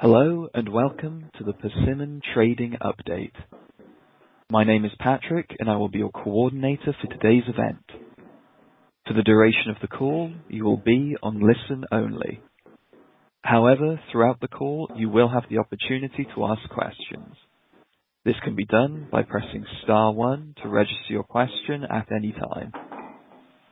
Hello, and welcome to the Persimmon Trading Update. My name is Patrick, and I will be your coordinator for today's event. For the duration of the call, you will be on listen only. However, throughout the call, you will have the opportunity to ask questions. This can be done by pressing star one to register your question at any time.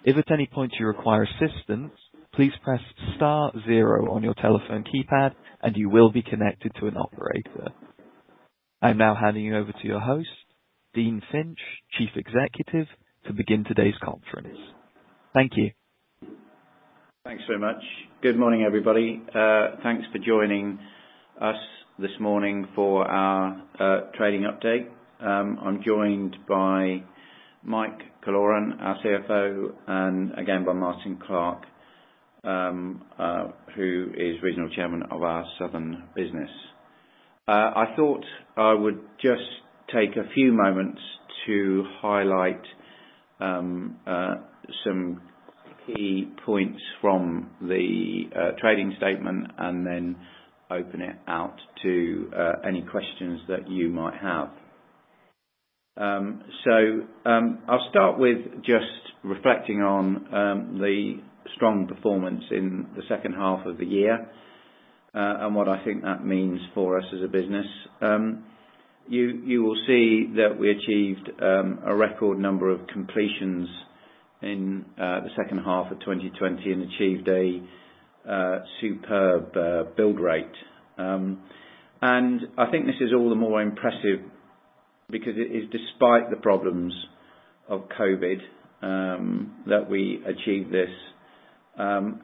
If at any point you require assistance, please press star zero on your telephone keypad, and you will be connected to an operator. I'm now handing you over to your host, Dean Finch, chief executive, to begin today's conference, thank you. Thanks very much. Good morning, everybody. Thanks for joining us this morning for our trading update. I'm joined by Mike Killoran, our CFO, and again by Martyn Clark, who is Regional Chairman of our southern business. I thought I would just take a few moments to highlight some key points from the trading statement and then open it out to any questions that you might have. I'll start with just reflecting on the strong performance in the second half of the year, and what I think that means for us as a business. You will see that we achieved a record number of completions in the second half of 2020, and achieved a superb build rate. I think this is all the more impressive because it is despite the problems of COVID that we achieved this. We also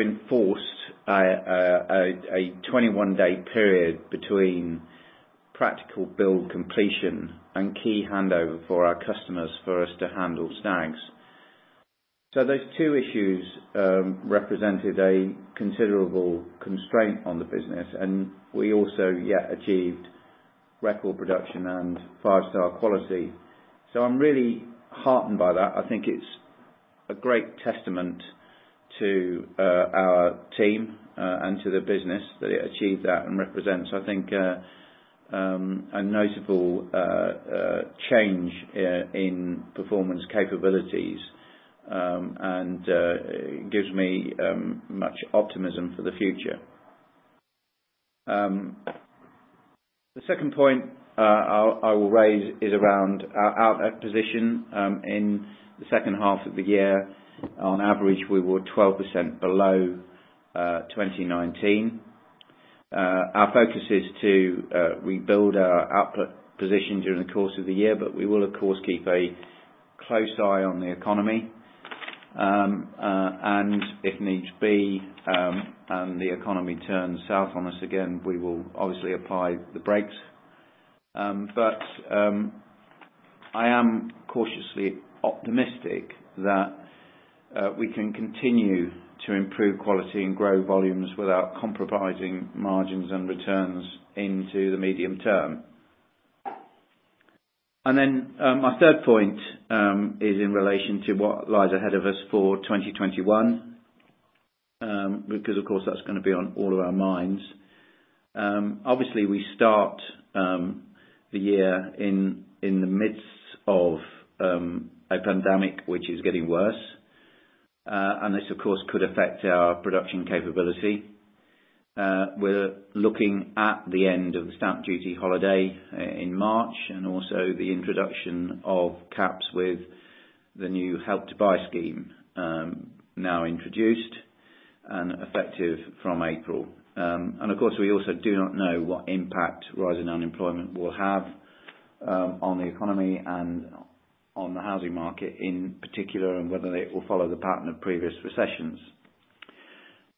enforced a 21-day period between practical build completion and key handover for our customers for us to handle snags. Those two issues represented a considerable constraint on the business, and we also yet achieved record production and five-star quality. I'm really heartened by that. I think it's a great testament to our team and to the business that it achieved that and represents, I think a notable change in performance capabilities, and gives me much optimism for the future. The second point I will raise is around our output position. In the second half of the year, on average, we were 12% below 2019. Our focus is to rebuild our output position during the course of the year. We will, of course, keep a close eye on the economy. If needs be, and the economy turns south on us again, we will obviously apply the brakes. I am cautiously optimistic that we can continue to improve quality and grow volumes without compromising margins and returns into the medium term. My third point is in relation to what lies ahead of us for 2021. That's going to be on all of our minds. Obviously, we start the year in the midst of a pandemic, which is getting worse. This, of course, could affect our production capability. We're looking at the end of the stamp duty holiday in March, and also the introduction of caps with the new Help to Buy scheme now introduced and effective from April. Of course, we also do not know what impact rise in unemployment will have on the economy and on the housing market in particular, and whether it will follow the pattern of previous recessions.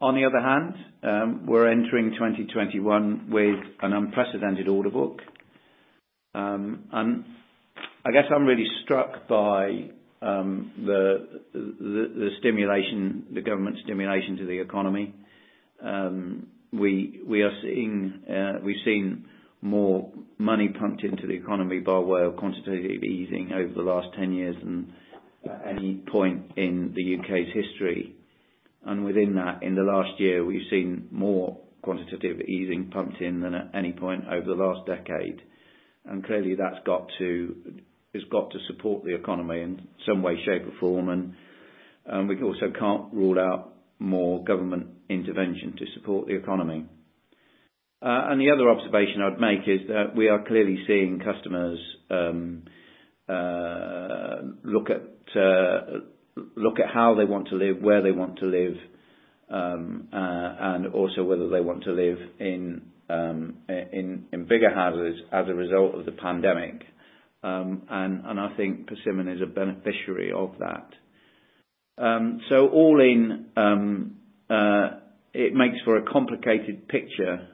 On the other hand, we're entering 2021 with an unprecedented order book. I guess I'm really struck by the government stimulation to the economy. We've seen more money pumped into the economy by way of quantitative easing over the last 10 years than any point in the U.K.'s history. Within that, in the last year, we've seen more quantitative easing pumped in than at any point over the last decade. Clearly that's got to support the economy in some way, shape, or form. We also can't rule out more government intervention to support the economy. The other observation I would make is that we are clearly seeing customers look at how they want to live, where they want to live, and also whether they want to live in bigger houses as a result of the pandemic. I think Persimmon is a beneficiary of that. All in, it makes for a complicated picture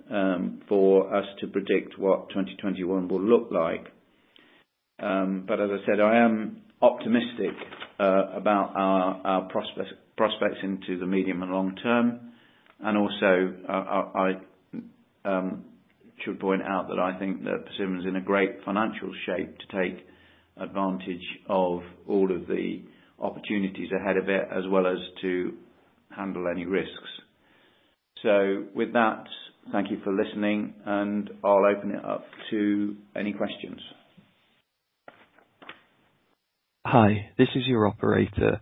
for us to predict what 2021 will look like. As I said, I am optimistic about our prospects into the medium and long term. Also, I Should point out that I think that Persimmon is in a great financial shape to take advantage of all of the opportunities ahead of it, as well as to handle any risks. With that, thank you for listening, and I'll open it up to any questions. Hi, this is your operator.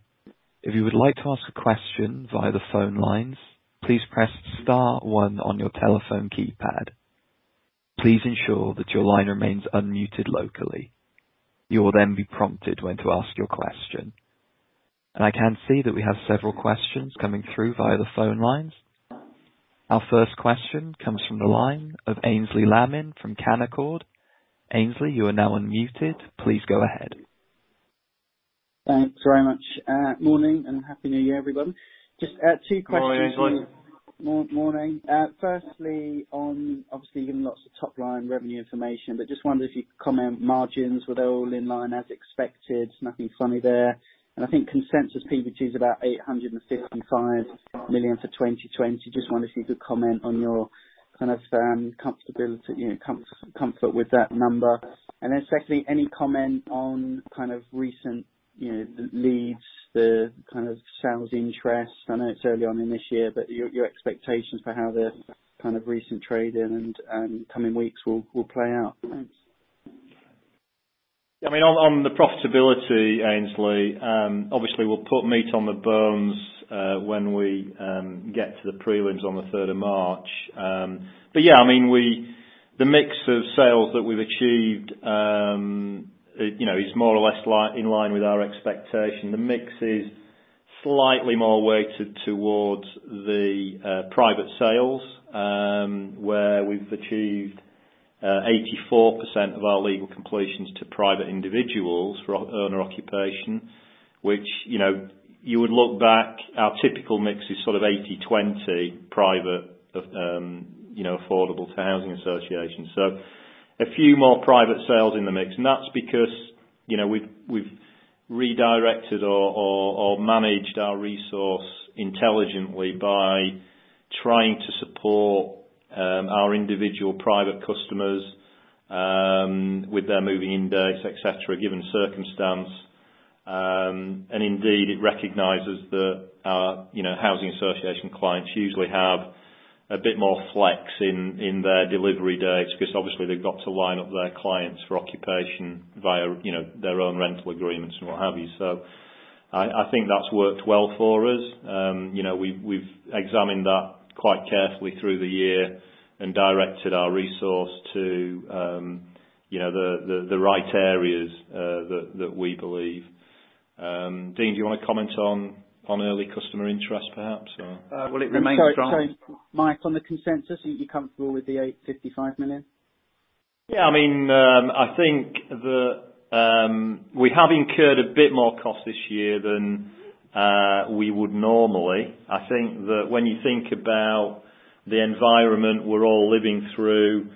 If you would like to ask a question via the phone lines, please press star one on your telephone keypad. Please ensure that your line remains unmuted locally. You will then be prompted when to ask your question. I can see that we have several questions coming through via the phone lines. Our first question comes from the line of Aynsley Lammin from Canaccord. Aynsley, you are now unmuted, please go ahead. Thanks very much. Morning, happy New Year, everyone. Just two questions. Morning, Aynsley. Morning, firstly, on obviously giving lots of top line revenue information, but just wondered if you could comment margins. Were they all in line as expected? Nothing funny there. I think consensus PBT is about 855 million for 2020. Just wondered if you could comment on your comfort with that number. Secondly, any comment on recent leads, the kind of sales interest? I know it's early on in this year, but your expectations for how the kind of recent trade in and coming weeks will play out? Thanks. On the profitability, Aynsley, obviously we'll put meat on the bones when we get to the prelims on the third of March. The mix of sales that we've achieved is more or less in line with our expectation. The mix is slightly more weighted towards the private sales, where we've achieved 84% of our legal completions to private individuals for owner occupation, which you would look back, our typical mix is sort of 80/20 private, affordable to housing association. That's because we've redirected or managed our resource intelligently by trying to support our individual private customers with their moving in dates, et cetera, given circumstance. Indeed, it recognizes that our housing association clients usually have a bit more flex in their delivery dates because obviously they've got to line up their clients for occupation via their own rental agreements and what have you. I think that's worked well for us. We've examined that quite carefully through the year and directed our resource to the right areas that we believe. Dean, do you want to comment on early customer interest perhaps or? Sorry, Mike, on the consensus, are you comfortable with the 855 million? Yeah, I think that we have incurred a bit more cost this year than we would normally. I think that when you think about the environment we're all living through,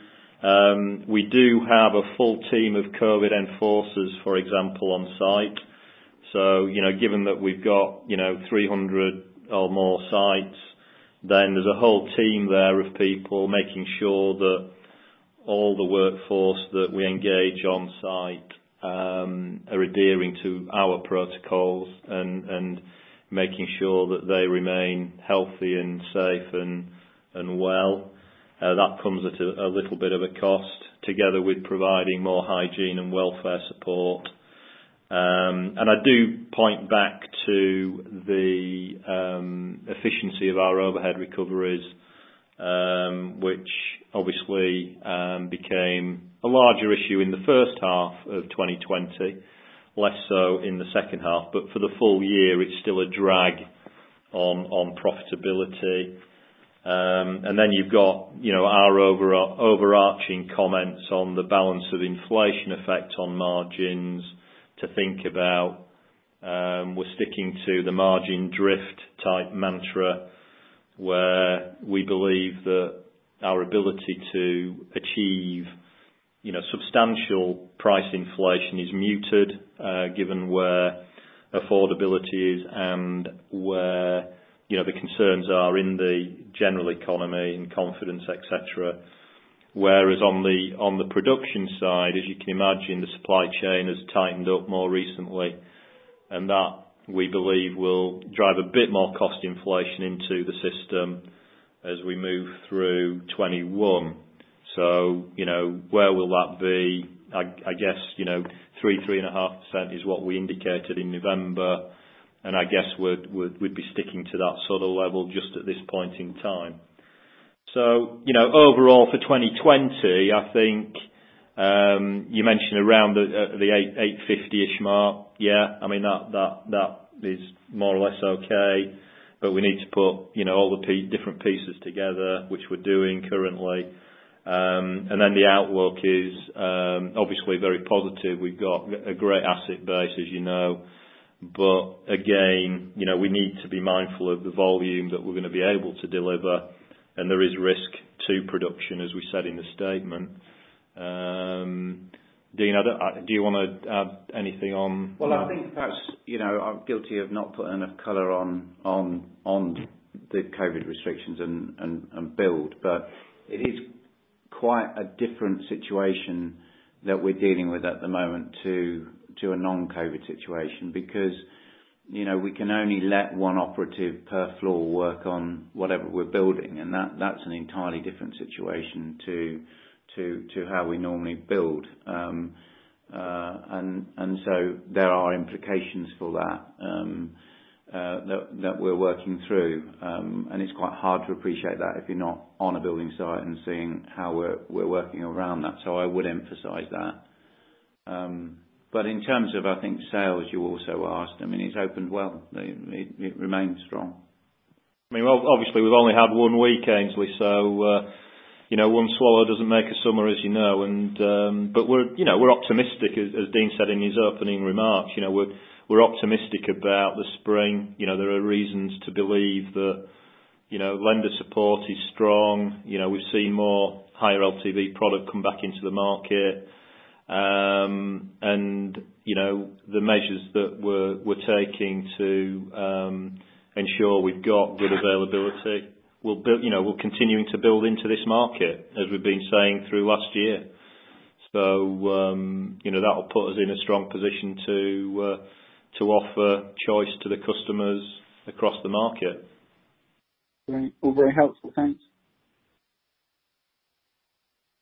we do have a full team of COVID enforcers for example on site. Given that we've got 300 or more sites, then there's a whole team there of people making sure that all the workforce that we engage on site are adhering to our protocols and making sure that they remain healthy and safe and well. That comes at a little bit of a cost together with providing more hygiene and welfare support. I do point back to the efficiency of our overhead recoveries, which obviously became a larger issue in the first half of 2020, less so in the second half. For the full year, it's still a drag on profitability. Then you've got our overarching comments on the balance of inflation effect on margins to think about. We're sticking to the margin drift type mantra where we believe that our ability to achieve substantial price inflation is muted, given where affordability is and where the concerns are in the general economy and confidence, et cetera. On the production side, as you can imagine, the supply chain has tightened up more recently, and that, we believe, will drive a bit more cost inflation into the system as we move through 2021. Where will that be? I guess 3%, 3.5% is what we indicated in November, and I guess we'd be sticking to that sort of level just at this point in time. Overall, for 2020, I think, you mentioned around the 850-ish mark. Yeah, that is more or less okay. We need to put all the different pieces together, which we're doing currently. Then the outlook is obviously very positive. We've got a great asset base as you know. Again, we need to be mindful of the volume that we're going to be able to deliver. There is risk to production, as we said in the statement. Dean, do you want to add anything on? Well, I think perhaps, I'm guilty of not putting enough color on the COVID restrictions and build. It is quite a different situation that we're dealing with at the moment to a non-COVID situation because we can only let one operative per floor work on whatever we're building, and that's an entirely different situation to how we normally build. There are implications for that that we're working through. It's quite hard to appreciate that if you're not on a building site and seeing how we're working around that. I would emphasize that. In terms of, I think, sales, you also asked, it's opened well. It remains strong. Well, obviously we've only had one week, Aynsley, so one swallow doesn't make a summer as you know. We're optimistic, as Dean said in his opening remarks, we're optimistic about the spring. There are reasons to believe that lender support is strong. We've seen more higher LTV product come back into the market. The measures that we're taking to ensure we've got good availability, we're continuing to build into this market, as we've been saying through last year. That will put us in a strong position to offer choice to the customers across the market. All very helpful, thanks.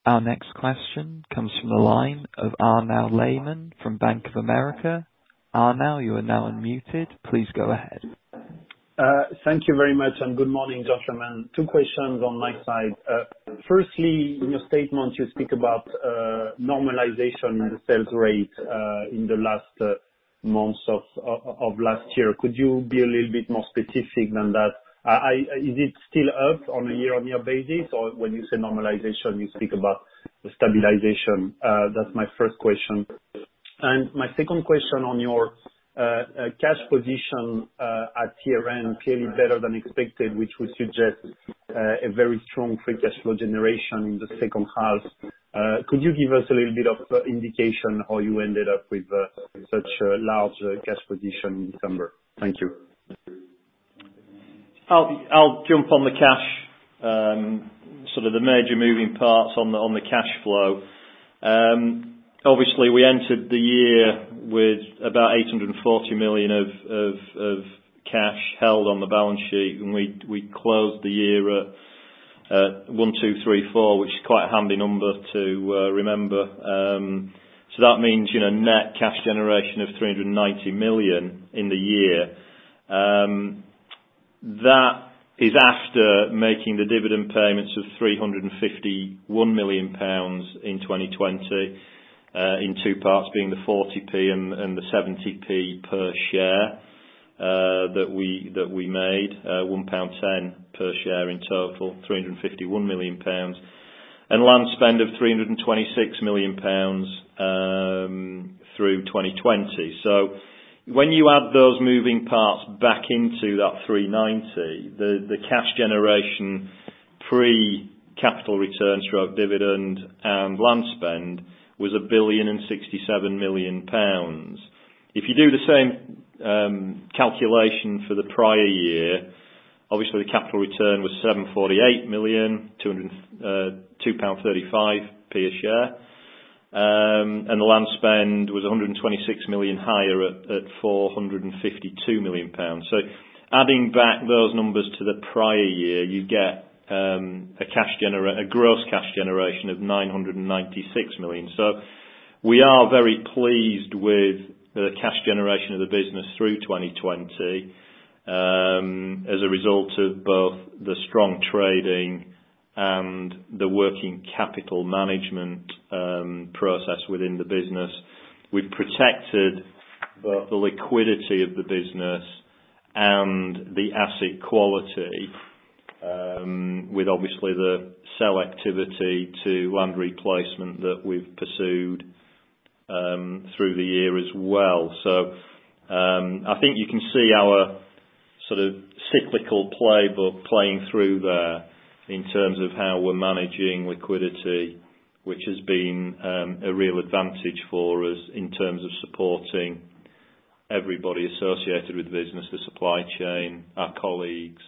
Our next question comes from the line of Arnaud Lehmann from Bank of America. Thank you very much, and good morning, gentlemen. Two questions on my side. Firstly, in your statement you speak about normalization in the sales rate, in the last months of last year. Could you be a little bit more specific than that? Is it still up on a year-on-year basis? When you say normalization, you speak about stabilization? That's my first question. My second question on your cash position at year-end, clearly better than expected, which would suggest a very strong free cash flow generation in the second half. Could you give us a little bit of indication how you ended up with such a large cash position in December? Thank you. I'll jump on the cash, sort of the major moving parts on the cash flow. Obviously, we entered the year with about 840 million of cash held on the balance sheet, we closed the year at 1,234, which is quite a handy number to remember. That means net cash generation of 390 million in the year. That is after making the dividend payments of 351 million pounds in 2020, in two parts being the 0.40 and the 0.70 per share, that we made, 1.10 pound per share in total, 351 million pounds. Land spend of 326 million pounds, through 2020. When you add those moving parts back into that 390 million, the cash generation, pre capital returns throughout dividend and land spend was 1,067 million pounds. If you do the same calculation for the prior year, obviously the capital return was 748 million, 2.35 pound per share. The land spend was 126 million higher at 452 million pounds. Adding back those numbers to the prior year, you get a gross cash generation of 996 million. We are very pleased with the cash generation of the business through 2020, as a result of both the strong trading and the working capital management process within the business. We've protected the liquidity of the business and the asset quality, with obviously the sell activity to land replacement that we've pursued through the year as well. I think you can see our sort of cyclical playbook playing through there in terms of how we're managing liquidity, which has been a real advantage for us in terms of supporting everybody associated with the business, the supply chain, our colleagues.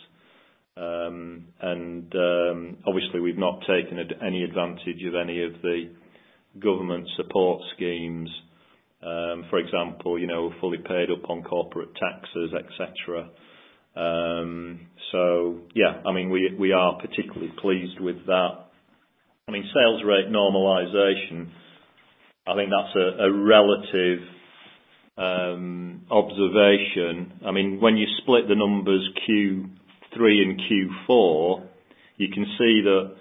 Obviously we've not taken any advantage of any of the government support schemes. For example, fully paid up on corporate taxes, et cetera. Yeah, we are particularly pleased with that. Sales rate normalization, I think that's a relative observation. When you split the numbers Q3 and Q4, you can see that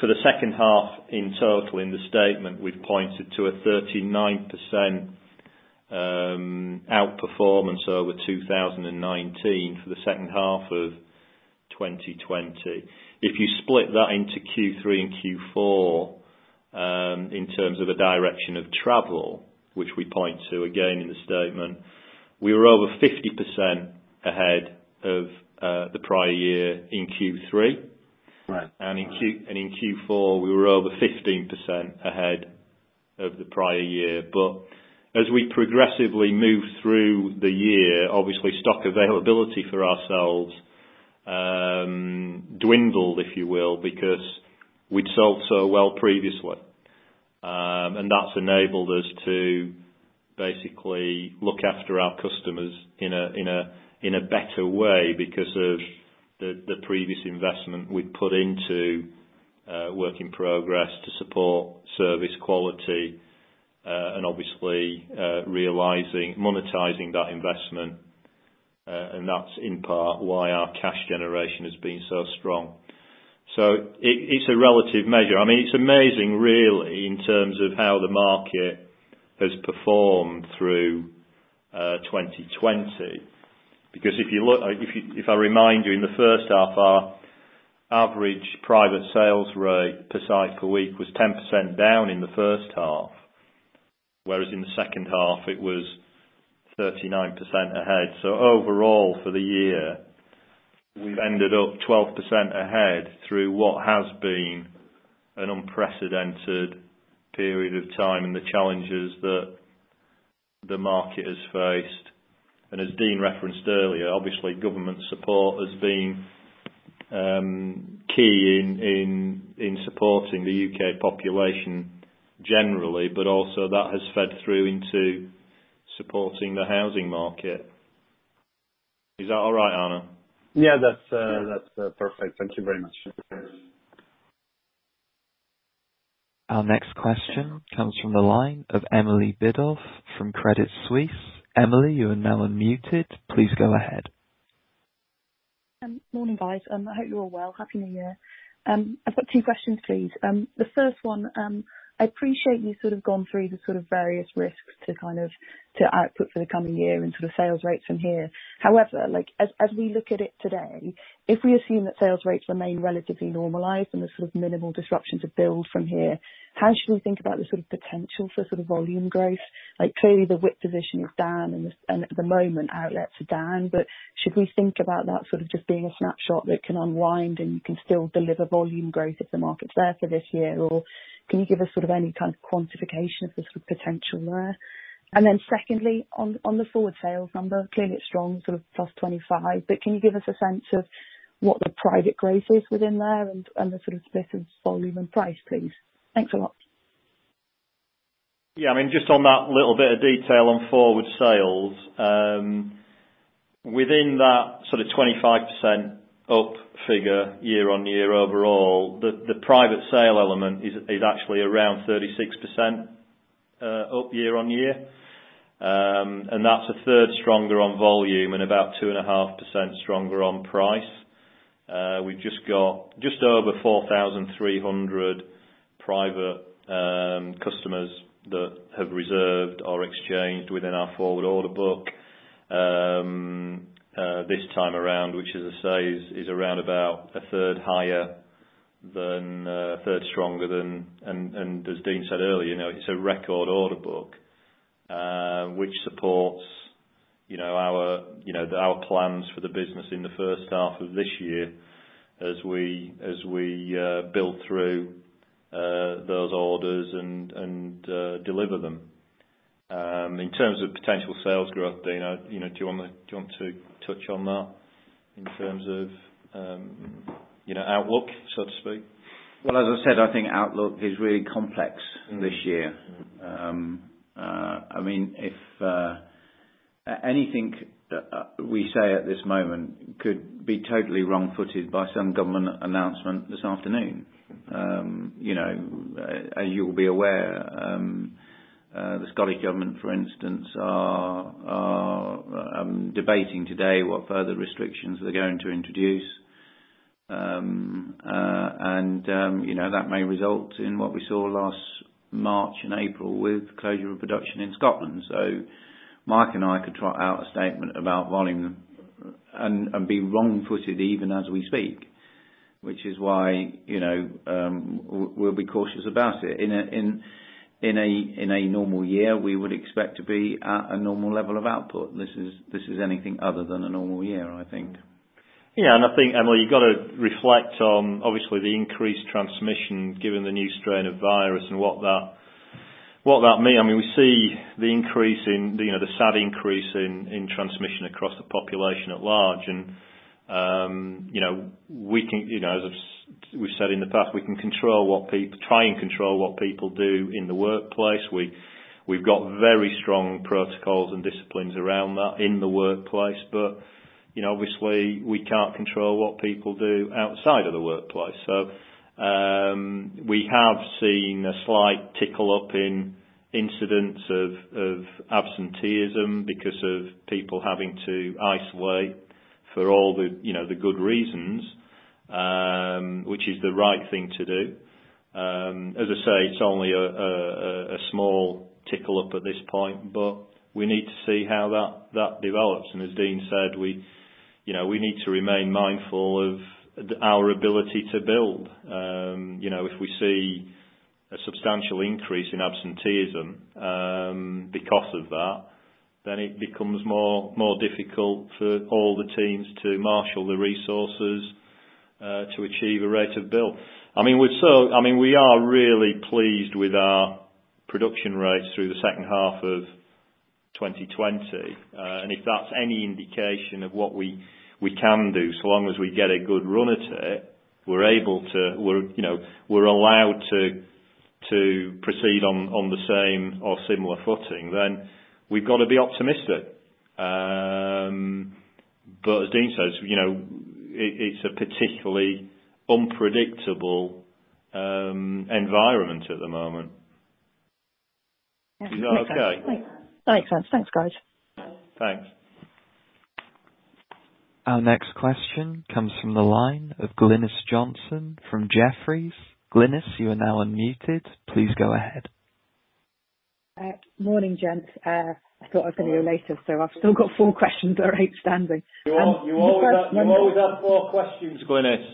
for the second half in total in the statement, we've pointed to a 39% outperformance over 2019 for the second half of 2020. If you split that into Q3 and Q4, in terms of a direction of travel, which we point to again in the statement, we were over 50% ahead of the prior year in Q3? Right. In Q4, we were over 15% ahead of the prior year. As we progressively move through the year, obviously stock availability for ourselves dwindled, if you will, because we'd sold so well previously. That's enabled us to basically look after our customers in a better way because of the previous investment we'd put into work in progress to support service quality, and obviously realizing, monetizing that investment. That's, in part, why our cash generation has been so strong. It's a relative measure. It's amazing, really, in terms of how the market has performed through 2020. If I remind you, in the first half, our average private sales rate per site per week was 10% down in the first half, whereas in the second half it was 39% ahead. Overall, for the year, we've ended up 12% ahead through what has been an unprecedented period of time and the challenges that the market has faced. As Dean referenced earlier, obviously government support has been key in supporting the U.K. population generally, but also that has fed through into supporting the housing market. Is that all right, Arnaud? Yeah, that's perfect, thank you very much. Our next question comes from the line of Emily Biddulph from Credit Suisse. Emily, you are now unmuted, please go ahead. Morning, guys, I hope you're all well, Happy New Year. I've got two questions, please. The first one, I appreciate you've gone through the various risks to output for the coming year and sales rates from here. As we look at it today, if we assume that sales rates remain relatively normalized and there's minimal disruptions of build from here, how should we think about the potential for volume growth? Clearly, the WIP position is down and at the moment outlets are down. Should we think about that just being a snapshot that can unwind and you can still deliver volume growth if the market's there for this year? Can you give us any kind of quantification of the potential there? Secondly, on the forward sales number, clearly it's strong, +25%. Can you give us a sense of what the private growth is within there and the split of volume and price, please? Thanks a lot. Yeah, just on that little bit of detail on forward sales. Within that 25% up figure year-on-year overall, the private sale element is actually around 36% up year-on-year. That's a third stronger on volume and about 2.5% stronger on price. We've just got just over 4,300 private customers that have reserved or exchanged within our forward order book this time around, which, as I say, is around about a third stronger than. As Dean said earlier, it's a record order book, which supports our plans for the business in the first half of this year as we build through those orders and deliver them. In terms of potential sales growth, Dean, do you want to touch on that in terms of outlook, so to speak? Well, as I said, I think outlook is really complex this year. If anything we say at this moment could be totally wrong-footed by some government announcement this afternoon. As you'll be aware, the Scottish government, for instance, are debating today what further restrictions they're going to introduce. That may result in what we saw last March and April with closure of production in Scotland. Mike and I could trot out a statement about volume and be wrong-footed even as we speak, which is why we'll be cautious about it. In a normal year, we would expect to be at a normal level of output. This is anything other than a normal year, I think. I think, Emily, you've got to reflect on, obviously, the increased transmission given the new strain of virus. We see the sad increase in transmission across the population at large, and we've said in the past, we can try and control what people do in the workplace. We've got very strong protocols and disciplines around that in the workplace. Obviously, we can't control what people do outside of the workplace. We have seen a slight tickle up in incidents of absenteeism because of people having to isolate for all the good reasons, which is the right thing to do. As I say, it's only a small tickle up at this point, but we need to see how that develops. As Dean said, we need to remain mindful of our ability to build. If we see a substantial increase in absenteeism because of that, then it becomes more difficult for all the teams to marshal the resources to achieve a rate of build. We are really pleased with our production rates through the second half of 2020. If that's any indication of what we can do, so long as we get a good run at it, we're allowed to proceed on the same or similar footing, then we've got to be optimistic. As Dean says, it's a particularly unpredictable environment at the moment. Is that okay? That makes sense, thanks, guys. Thanks. Our next question comes from the line of Glynis Johnson from Jefferies. Glynis, you are now unmuted, please go ahead. Morning, gents, I thought I was going to be later, so I've still got four questions that are outstanding. You always have four questions, Glynis.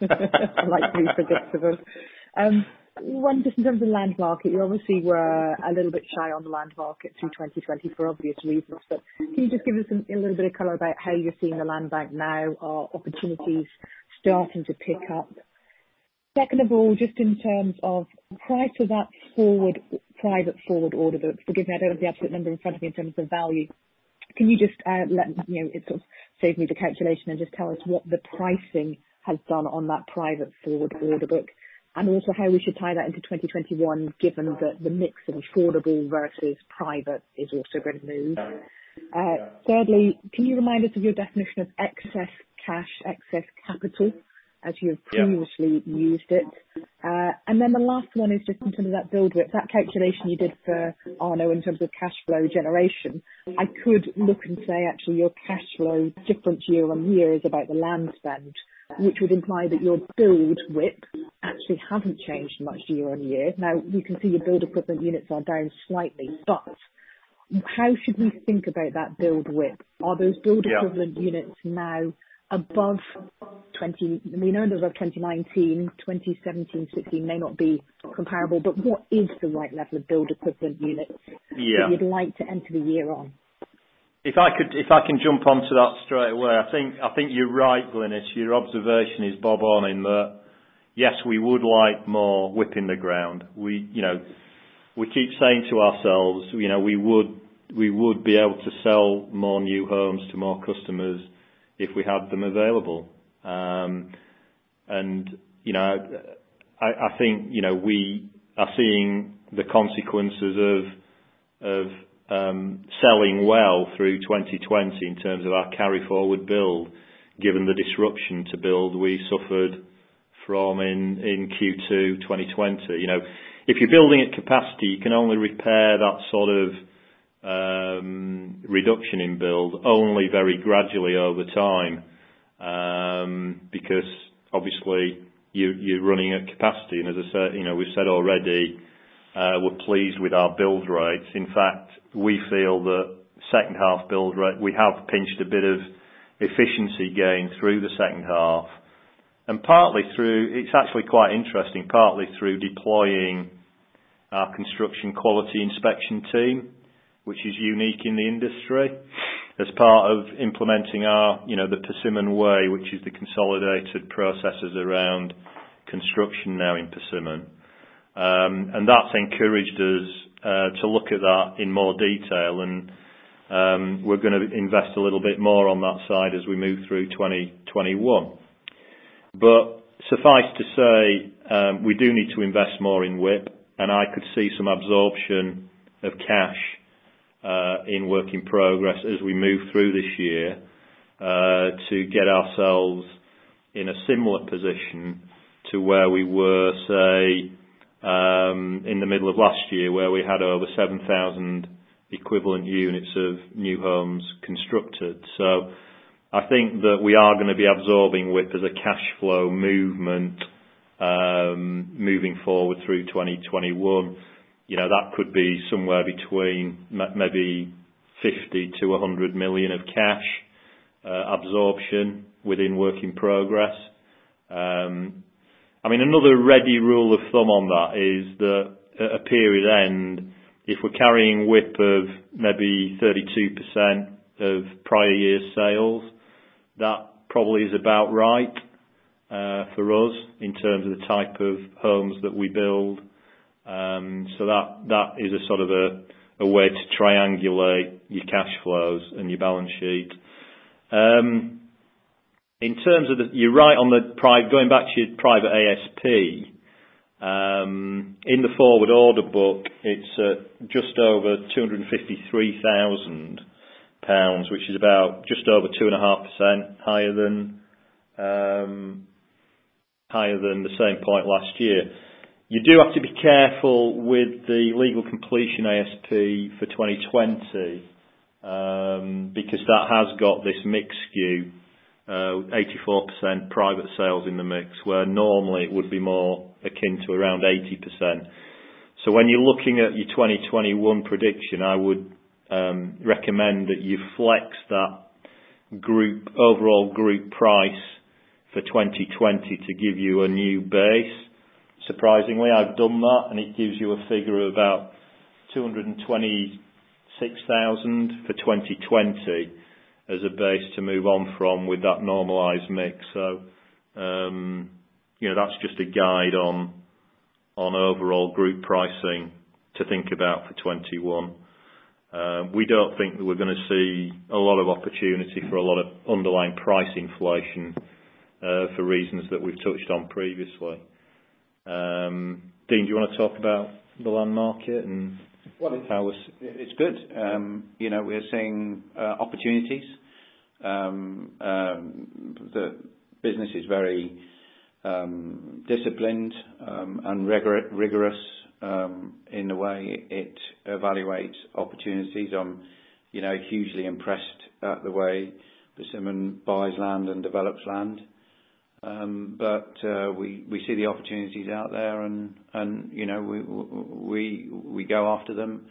I like to be predictable. One, just in terms of land market, you obviously were a little bit shy on the land market through 2020 for obvious reasons. Can you just give us a little bit of color about how you're seeing the land bank now? Are opportunities starting to pick up? Second of all, just in terms of price of that private forward order book, forgive me, I don't have the absolute number in front of me in terms of value. Can you just let me know, it sort of saves me the calculation and just tell us what the pricing has done on that private forward order book, and also how we should tie that into 2021, given that the mix of affordable versus private is also going to move. Thirdly, can you remind us of your definition of excess cash, excess capital as you have previously used it? The last one is just in terms of that build WIP, that calculation you did for Arno in terms of cash flow generation. I could look and say actually your cash flow different year-on-year is about the land spend, which would imply that your build WIP actually hasn't changed much year-on-year. We can see your build equivalent units are down slightly, but how should we think about that build WIP? Are those- Yeah.... equivalent units now above 20. We know those are 2019. 2017, 2016 may not be comparable, but what is the right level of build equivalent units- Yeah.... that you'd like to enter the year on? If I can jump onto that straight away, I think you're right, Glynis. Your observation is bob on, in that, yes, we would like more WIP in the ground. We keep saying to ourselves, we would be able to sell more new homes to more customers if we had them available. I think we are seeing the consequences of selling well through 2020 in terms of our carry forward build, given the disruption to build we suffered from in Q2 2020. If you're building at capacity, you can only repair that sort of reduction in build only very gradually over time, because obviously you're running at capacity. As I said, we've said already we're pleased with our build rates. In fact, we feel that second half build rate, we have pinched a bit of efficiency gain through the second half. It's actually quite interesting, partly through deploying our construction quality inspection team, which is unique in the industry, as part of implementing The Persimmon Way, which is the consolidated processes around construction now in Persimmon. That's encouraged us to look at that in more detail, and we're going to invest a little bit more on that side as we move through 2021. Suffice to say, we do need to invest more in WIP, and I could see some absorption of cash in work in progress as we move through this year to get ourselves in a similar position to where we were, say, in the middle of last year, where we had over 7,000 equivalent units of new homes constructed. I think that we are going to be absorbing WIP as a cash flow movement, moving forward through 2021. That could be somewhere between maybe 50 million-100 million of cash absorption within work in progress. Another ready rule of thumb on that is that at a period end, if we're carrying WIP of maybe 32% of prior-year sales, that probably is about right for us in terms of the type of homes that we build. That is a way to triangulate your cash flows and your balance sheet. You're right, going back to your private ASP. In the forward order book, it's just over 253,000 pounds, which is about just over 2.5% higher than the same point last year. You do have to be careful with the legal completion ASP for 2020, because that has got this mix skew, 84% private sales in the mix, where normally it would be more akin to around 80%. When you're looking at your 2021 prediction, I would recommend that you flex that group, overall group price for 2020 to give you a new base. Surprisingly, I've done that, and it gives you a figure of about 226,000 for 2020 as a base to move on from with that normalized mix. That's just a guide on overall group pricing to think about for 2021. We don't think that we're going to see a lot of opportunity for a lot of underlying price inflation for reasons that we've touched on previously. Dean, do you want to talk about the land market and how it's- Well, it's good, we're seeing opportunities. The business is very disciplined and rigorous in the way it evaluates opportunities. I'm hugely impressed at the way Persimmon buys land and develops land. We see the opportunities out there, and we go after them.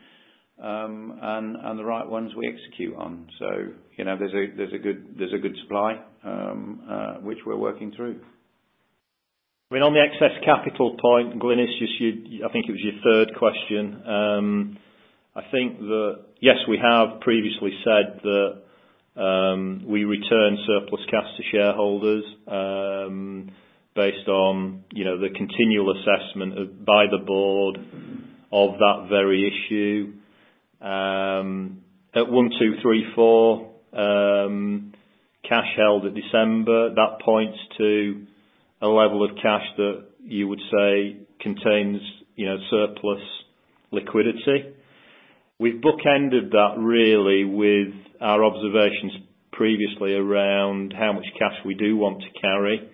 The right ones we execute on. There's a good supply which we're working through. On the excess capital point, Glynis, I think it was your third question. I think that, yes, we have previously said that we return surplus cash to shareholders based on the continual assessment by the board of that very issue. At 1,234, cash held at December, that points to a level of cash that you would say contains surplus liquidity. We've bookended that really with our observations previously around how much cash we do want to carry.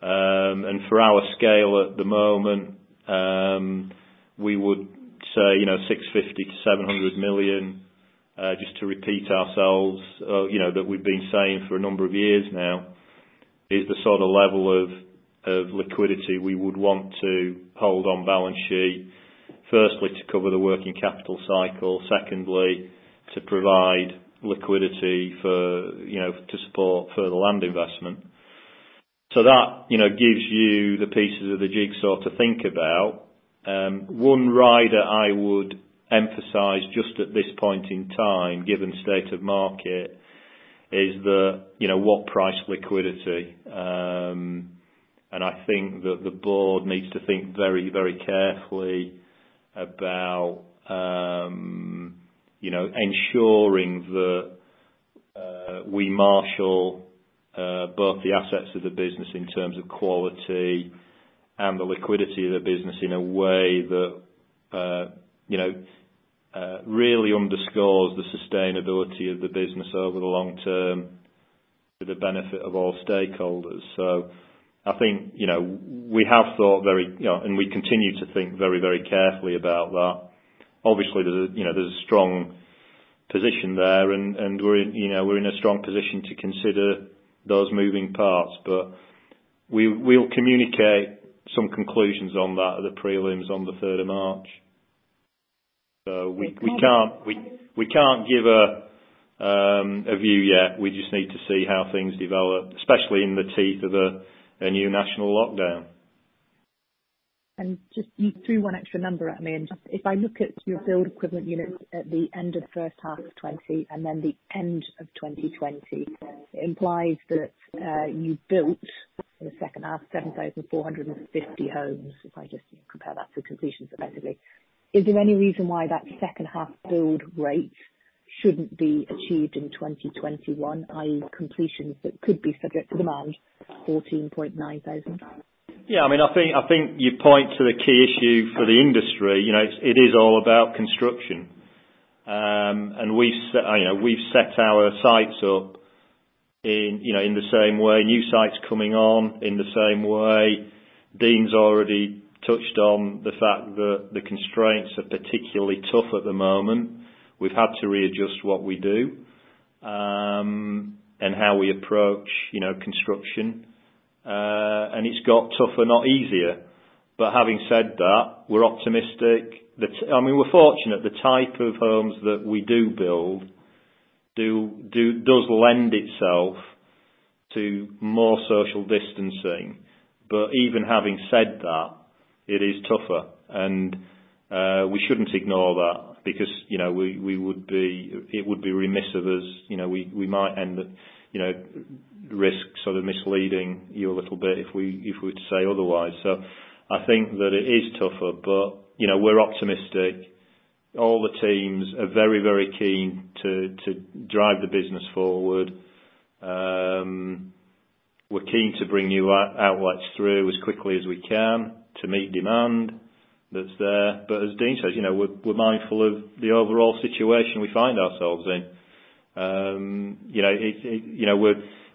For our scale at the moment, we would say 650 million-700 million, just to repeat ourselves, that we've been saying for a number of years now, is the sort of level of liquidity we would want to hold on balance sheet. Firstly, to cover the working capital cycle. Secondly, to provide liquidity to support further land investment. That gives you the pieces of the jigsaw to think about. One rider I would emphasize just at this point in time, given state of market, is what price liquidity. I think that the board needs to think very carefully about ensuring that we marshal both the assets of the business in terms of quality and the liquidity of the business in a way that really underscores the sustainability of the business over the long term for the benefit of all stakeholders. I think we have thought, and we continue to think very carefully about that. Obviously, there's a strong position there and we're in a strong position to consider those moving parts. We'll communicate some conclusions on that at the prelims on the third of March. We can't give a view yet. We just need to see how things develop, especially in the teeth of a new national lockdown. Just, you threw one extra number at me. Just if I look at your build equivalent units at the end of first half 2020 and then the end of 2020, it implies that you built in the second half 7,450 homes, if I just compare that to completions effectively. Is there any reason why that second half build rate shouldn't be achieved in 2021, i.e., completions that could be subject to demand 14,900? Yeah, I think you point to the key issue for the industry. It is all about construction. We've set our sites up in the same way, new sites coming on in the same way. Dean's already touched on the fact that the constraints are particularly tough at the moment. We've had to readjust what we do, and how we approach construction. It's got tougher, not easier. Having said that, we're optimistic that we're fortunate the type of homes that we do build does lend itself to more social distancing. Even having said that, it is tougher and we shouldn't ignore that because it would be remiss of us. We might risk sort of misleading you a little bit if we were to say otherwise. I think that it is tougher, but we're optimistic. All the teams are very keen to drive the business forward. We're keen to bring new outlets through as quickly as we can to meet demand that's there. As Dean says, we're mindful of the overall situation we find ourselves in.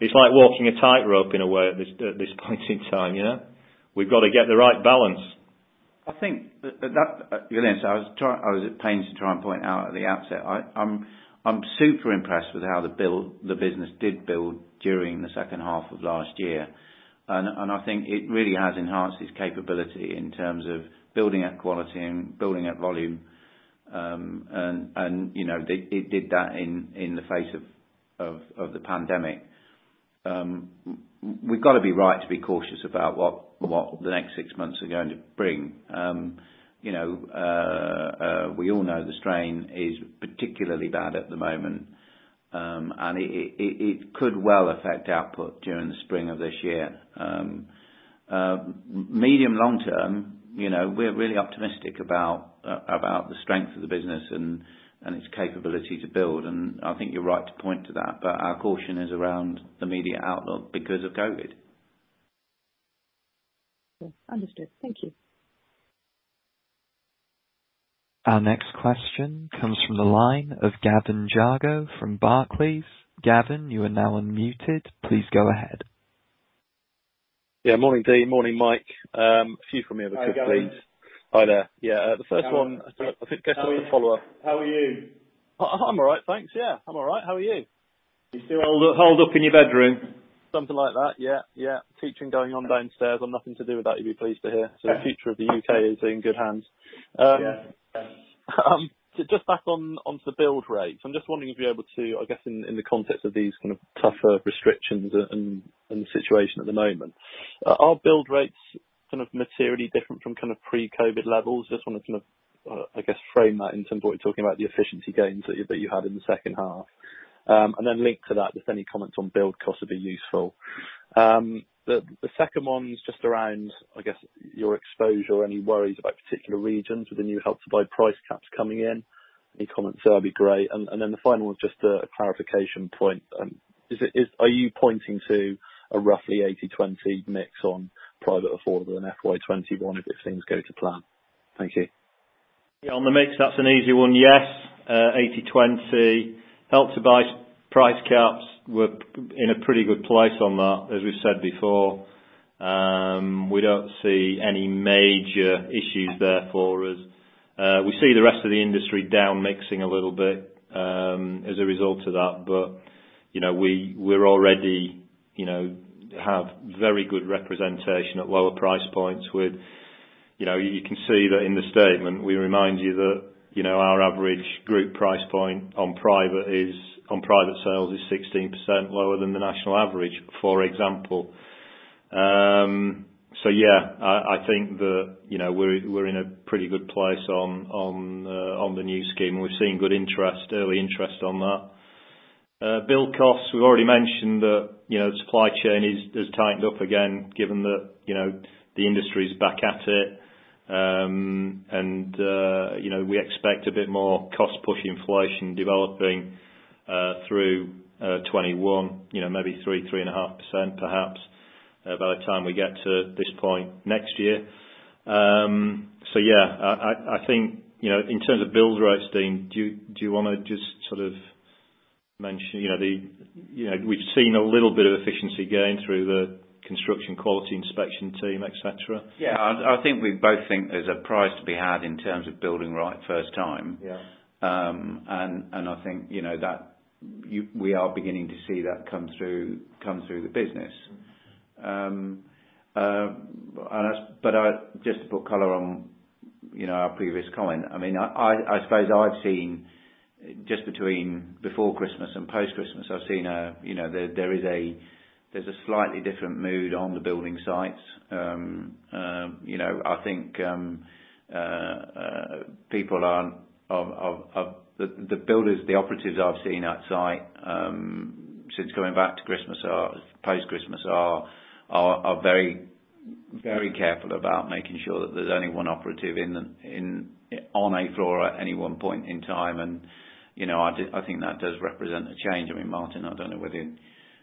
It's like walking a tightrope in a way at this point in time. We've got to get the right balance. I think that, Glynis, I was at pains to try and point out at the outset, I'm super impressed with how the business did build during the second half of last year. I think it really has enhanced its capability in terms of building at quality and building at volume. They did that in the face of the pandemic. We've got to be right to be cautious about what the next six months are going to bring. We all know the strain is particularly bad at the moment. It could well affect output during the spring of this year. Medium long-term, we're really optimistic about the strength of the business and its capability to build, and I think you're right to point to that. Our caution is around the immediate outlook because of COVID. Understood, thank you. Our next question comes from the line of Gavin Jago from Barclays. Gavin, your now unmuted, please go ahead. Yeah, morning, Dean, morning, Mike. A few from me, if I could, please. Hi, Gavin. Hi there, yeah. The first one, I think, guess it's a follow-up. How are you? I'm all right, thanks, yeah. I'm all right, how are you? You still holed up in your bedroom? Something like that, yeah. Teaching going on downstairs, I'm nothing to do with that, you'd be pleased to hear. Yeah. The future of the U.K. is in good hands. Yeah. Just back onto build rates. I'm just wondering if you're able to, I guess, in the context of these kind of tougher restrictions and the situation at the moment, are build rates kind of materially different from pre-COVID levels? Just want to kind of, I guess, frame that in terms of what you're talking about, the efficiency gains that you had in the second half. Linked to that, if any comments on build cost would be useful. The second one is just around, I guess, your exposure or any worries about particular regions with the new Help to Buy price caps coming in. Any comments there would be great. The final one, just a clarification point. Are you pointing to a roughly 80/20 mix on private affordable in FY 2021 if things go to plan? Thank you. On the mix, that's an easy one. Yes, 80/20, Help to Buy price caps, we're in a pretty good place on that, as we've said before. We don't see any major issues there for us. We see the rest of the industry down mixing a little bit as a result of that. We already have very good representation at lower price points. You can see that in the statement, we remind you that our average group price point on private sales is 16% lower than the national average, for example. I think that we're in a pretty good place on the new scheme, and we've seen good interest, early interest on that. Build costs, we've already mentioned that the supply chain has tightened up again, given that the industry's back at it. We expect a bit more cost-push inflation developing through 2021, maybe 3%, 3.5% perhaps, by the time we get to this point next year. Yeah, I think in terms of build rates, Dean, do you want to just sort of mention? We've seen a little bit of efficiency gain through the construction quality inspection team, et cetera. Yeah, I think we both think there's a prize to be had in terms of building right first time. Yeah. I think we are beginning to see that come through the business. Just to put color on our previous comment, I suppose I've seen just between before Christmas and post-Christmas, I've seen there's a slightly different mood on the building sites. I think the builders, the operatives I've seen at site since coming back to Christmas, post-Christmas, are very careful about making sure that there's only one operative on a floor at any one point in time. I think that does represent a change. Martyn, I don't know whether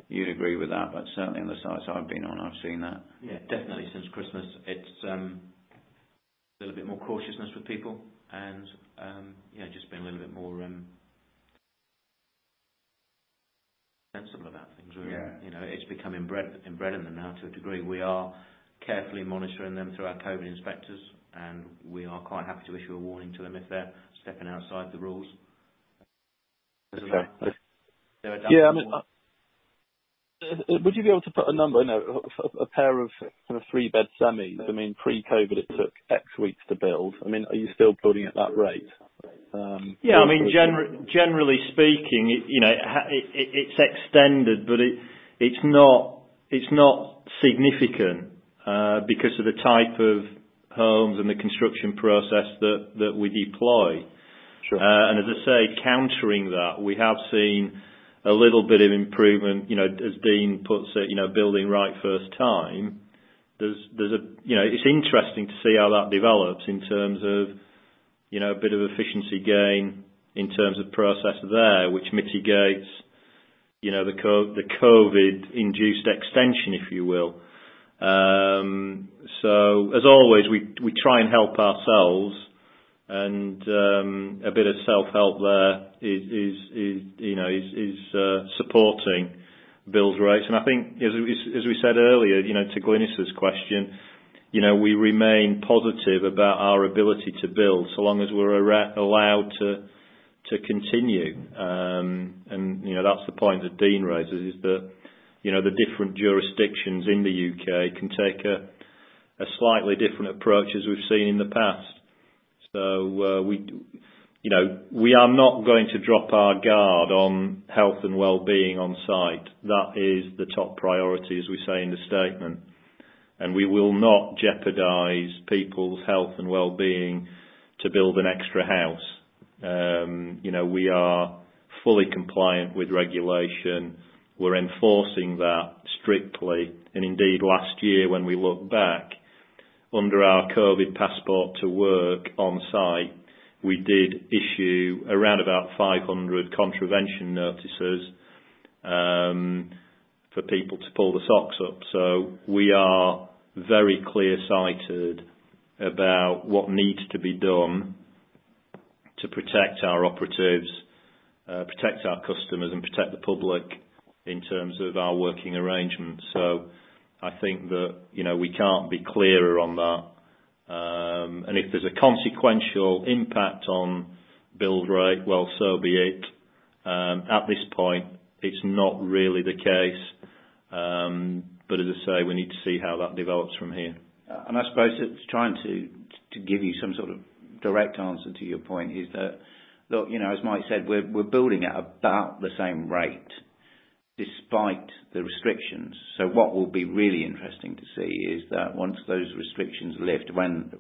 you'd agree with that, but certainly on the sites I've been on, I've seen that. Definitely since Christmas. It's a little bit more cautiousness with people and just being a little bit more sensible about things really. Yeah. It's become embedded in them now to a degree. We are carefully monitoring them through our COVID inspectors. We are quite happy to issue a warning to them if they're stepping outside the rules. Okay. They're adaptable. Would you be able to put a number, a pair of three-bed semis. Pre-COVID, it took X weeks to build. Are you still building at that rate? Yeah, generally speaking, it's extended, but it's not significant because of the type of homes and the construction process that we deploy. As I say, countering that, we have seen a little bit of improvement, as Dean puts it, building right first time. It's interesting to see how that develops in terms of a bit of efficiency gain in terms of process there, which mitigates the COVID-induced extension, if you will. As always, we try and help ourselves and a bit of self-help there is supporting build rates. I think as we said earlier to Glynis's question, we remain positive about our ability to build, so long as we're allowed to continue. That's the point that Dean raises, is the different jurisdictions in the U.K. can take a slightly different approach as we've seen in the past. We are not going to drop our guard on health and wellbeing on-site. That is the top priority, as we say in the statement, we will not jeopardize people's health and wellbeing to build an extra house. We are fully compliant with regulation. We're enforcing that strictly. Indeed, last year, when we look back, under our COVID passport to work on-site, we did issue around about 500 contravention notices for people to pull their socks up. We are very clear-sighted about what needs to be done to protect our operatives, protect our customers, and protect the public in terms of our working arrangements. I think that we can't be clearer on that. If there's a consequential impact on build rate, well, so be it. At this point, it's not really the case. As I say, we need to see how that develops from here. I suppose it's trying to give you some sort of direct answer to your point is that, look, as Mike said, we're building at about the same rate despite the restrictions. What will be really interesting to see is that once those restrictions lift, when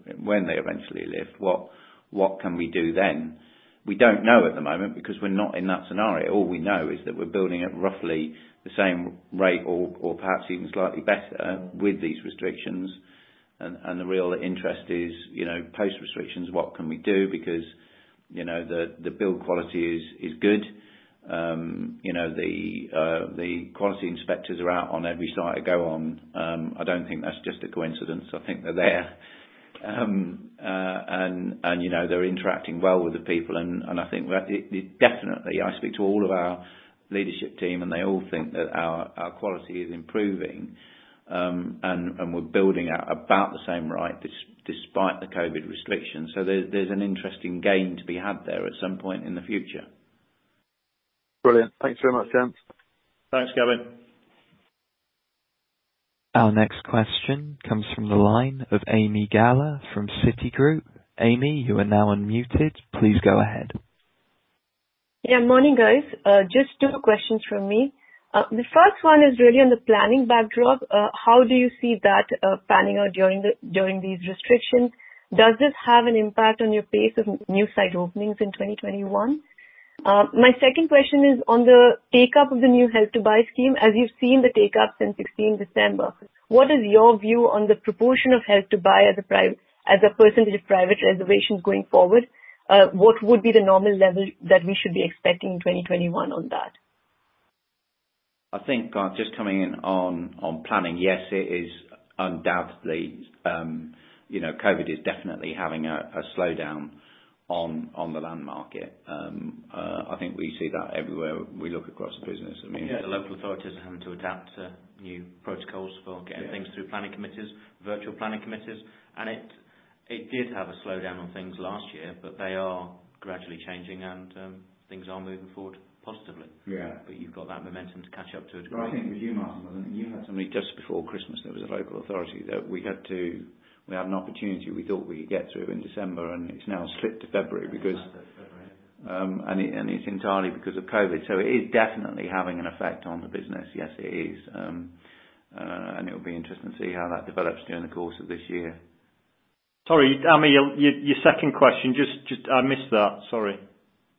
they eventually lift, what can we do then? We don't know at the moment because we're not in that scenario. All we know is that we're building at roughly the same rate or perhaps even slightly better with these restrictions. The real interest is, post restrictions, what can we do because the build quality is good. The quality inspectors are out on every site I go on. I don't think that's just a coincidence, I think they're there. They're interacting well with the people, and I think that definitely, I speak to all of our leadership team, and they all think that our quality is improving. We're building at about the same rate despite the COVID restrictions. There's an interesting game to be had there at some point in the future. Brilliant, thanks very much, gents. Thanks, Gavin. Our next question comes from the line of Ami Galla from Citigroup. Ami your now unmuted, please go ahead. Morning, guys. Just two questions from me. The first one is really on the planning backdrop. How do you see that panning out during these restrictions? Does this have an impact on your pace of new site openings in 2021? My second question is on the take-up of the new Help to Buy scheme. As you've seen the take-up since 16 December, what is your view on the proportion of Help to Buy as a percent of private reservations going forward? What would be the normal level that we should be expecting in 2021 on that? I think, just coming in on planning. Yes, it is undoubtedly, COVID is definitely having a slowdown on the land market. I think we see that everywhere we look across the business. Yeah, the local authorities are having to adapt to new protocols for getting things through planning committees, virtual planning committees, and it did have a slowdown on things last year, but they are gradually changing, and things are moving forward positively. Yeah. You've got that momentum to catch up to it. No, I think it was you, Martyn, wasn't it? You had something. Just before Christmas, there was a local authority that we had an opportunity we thought we could get through in December. It's now slipped to February. Slipped to February. It's entirely because of COVID. It is definitely having an effect on the business. Yes, it is. It'll be interesting to see how that develops during the course of this year. Sorry, Ami, your second question, I missed that, sorry.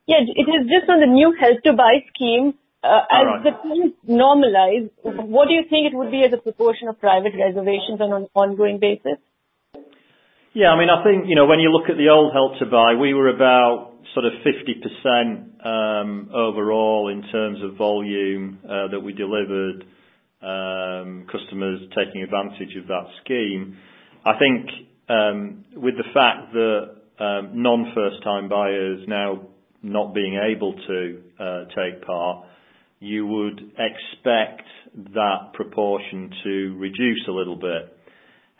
Yeah, it is just on the new Help to Buy scheme. All right. As the things normalize, what do you think it would be as a proportion of private reservations on an ongoing basis? Yeah, I think, when you look at the old Help to Buy, we were about sort of 50% overall in terms of volume, that we delivered customers taking advantage of that scheme. I think, with the fact that non first-time buyers now not being able to take part, you would expect that proportion to reduce a little bit.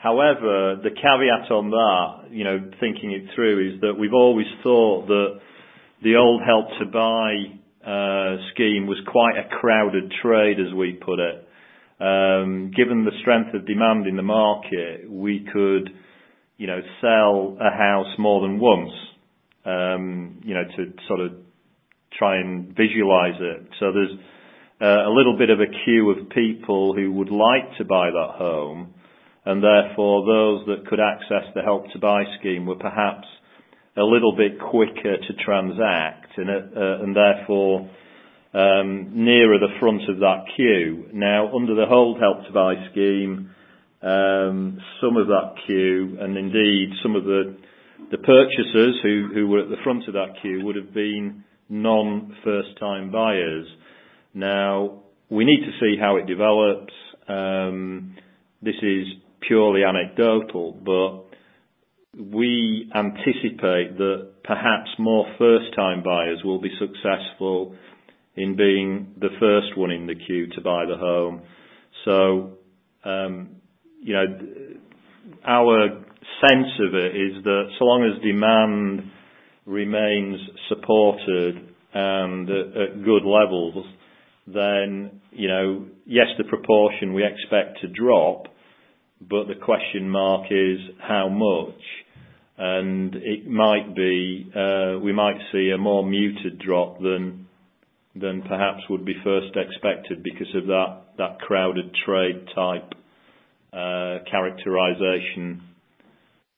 However, the caveat on that, thinking it through, is that we've always thought that the old Help to Buy scheme was quite a crowded trade, as we put it. Given the strength of demand in the market, we could sell a house more than once, to sort of try and visualize it. There's a little bit of a queue of people who would like to buy that home, and therefore, those that could access the Help to Buy scheme were perhaps a little bit quicker to transact and therefore, nearer the front of that queue. Under the old Help to Buy scheme, some of that queue, and indeed some of the purchasers who were at the front of that queue would've been non first-time buyers. We need to see how it develops. This is purely anecdotal, we anticipate that perhaps more first-time buyers will be successful in being the first one in the queue to buy the home. Our sense of it is that so long as demand remains supported and at good levels, then yes, the proportion we expect to drop, but the question mark is how much? We might see a more muted drop than perhaps would be first expected because of that crowded trade type characterization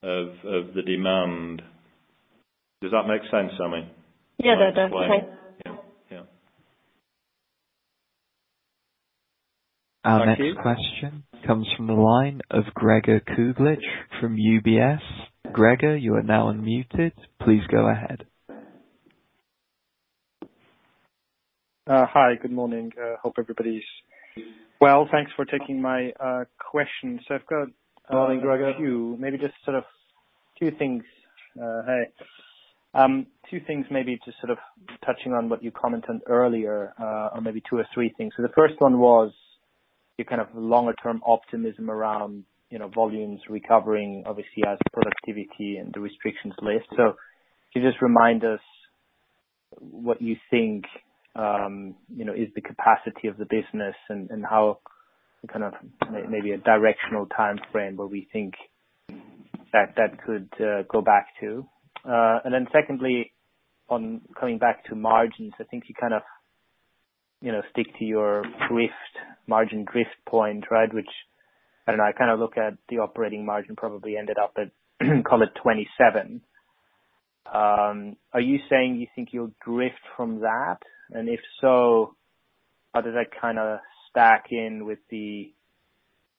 of the demand. Does that make sense, Ami? Yeah, okay. Yeah. Our next question comes from the line of Gregor Kuglitsch from UBS. Gregor, you are now unmuted, please go ahead. Hi, good morning, hope everybody's well. Thanks for taking my question. So I've got- Morning, Gregor.... a few, maybe just sort of two things. Hi, two things maybe to sort of touching on what you commented earlier, or maybe two or three things. The first one was your kind of longer-term optimism around volumes recovering obviously as productivity and the restrictions lift. Can you just remind us what you think is the capacity of the business and how kind of maybe a directional timeframe where we think that that could go back to? Secondly, on coming back to margins, I think you kind of stick to your drift, margin drift point, right? Which, I don't know, I kind of look at the operating margin probably ended up at, call it 27. Are you saying you think you'll drift from that? If so, how does that kind of stack in with the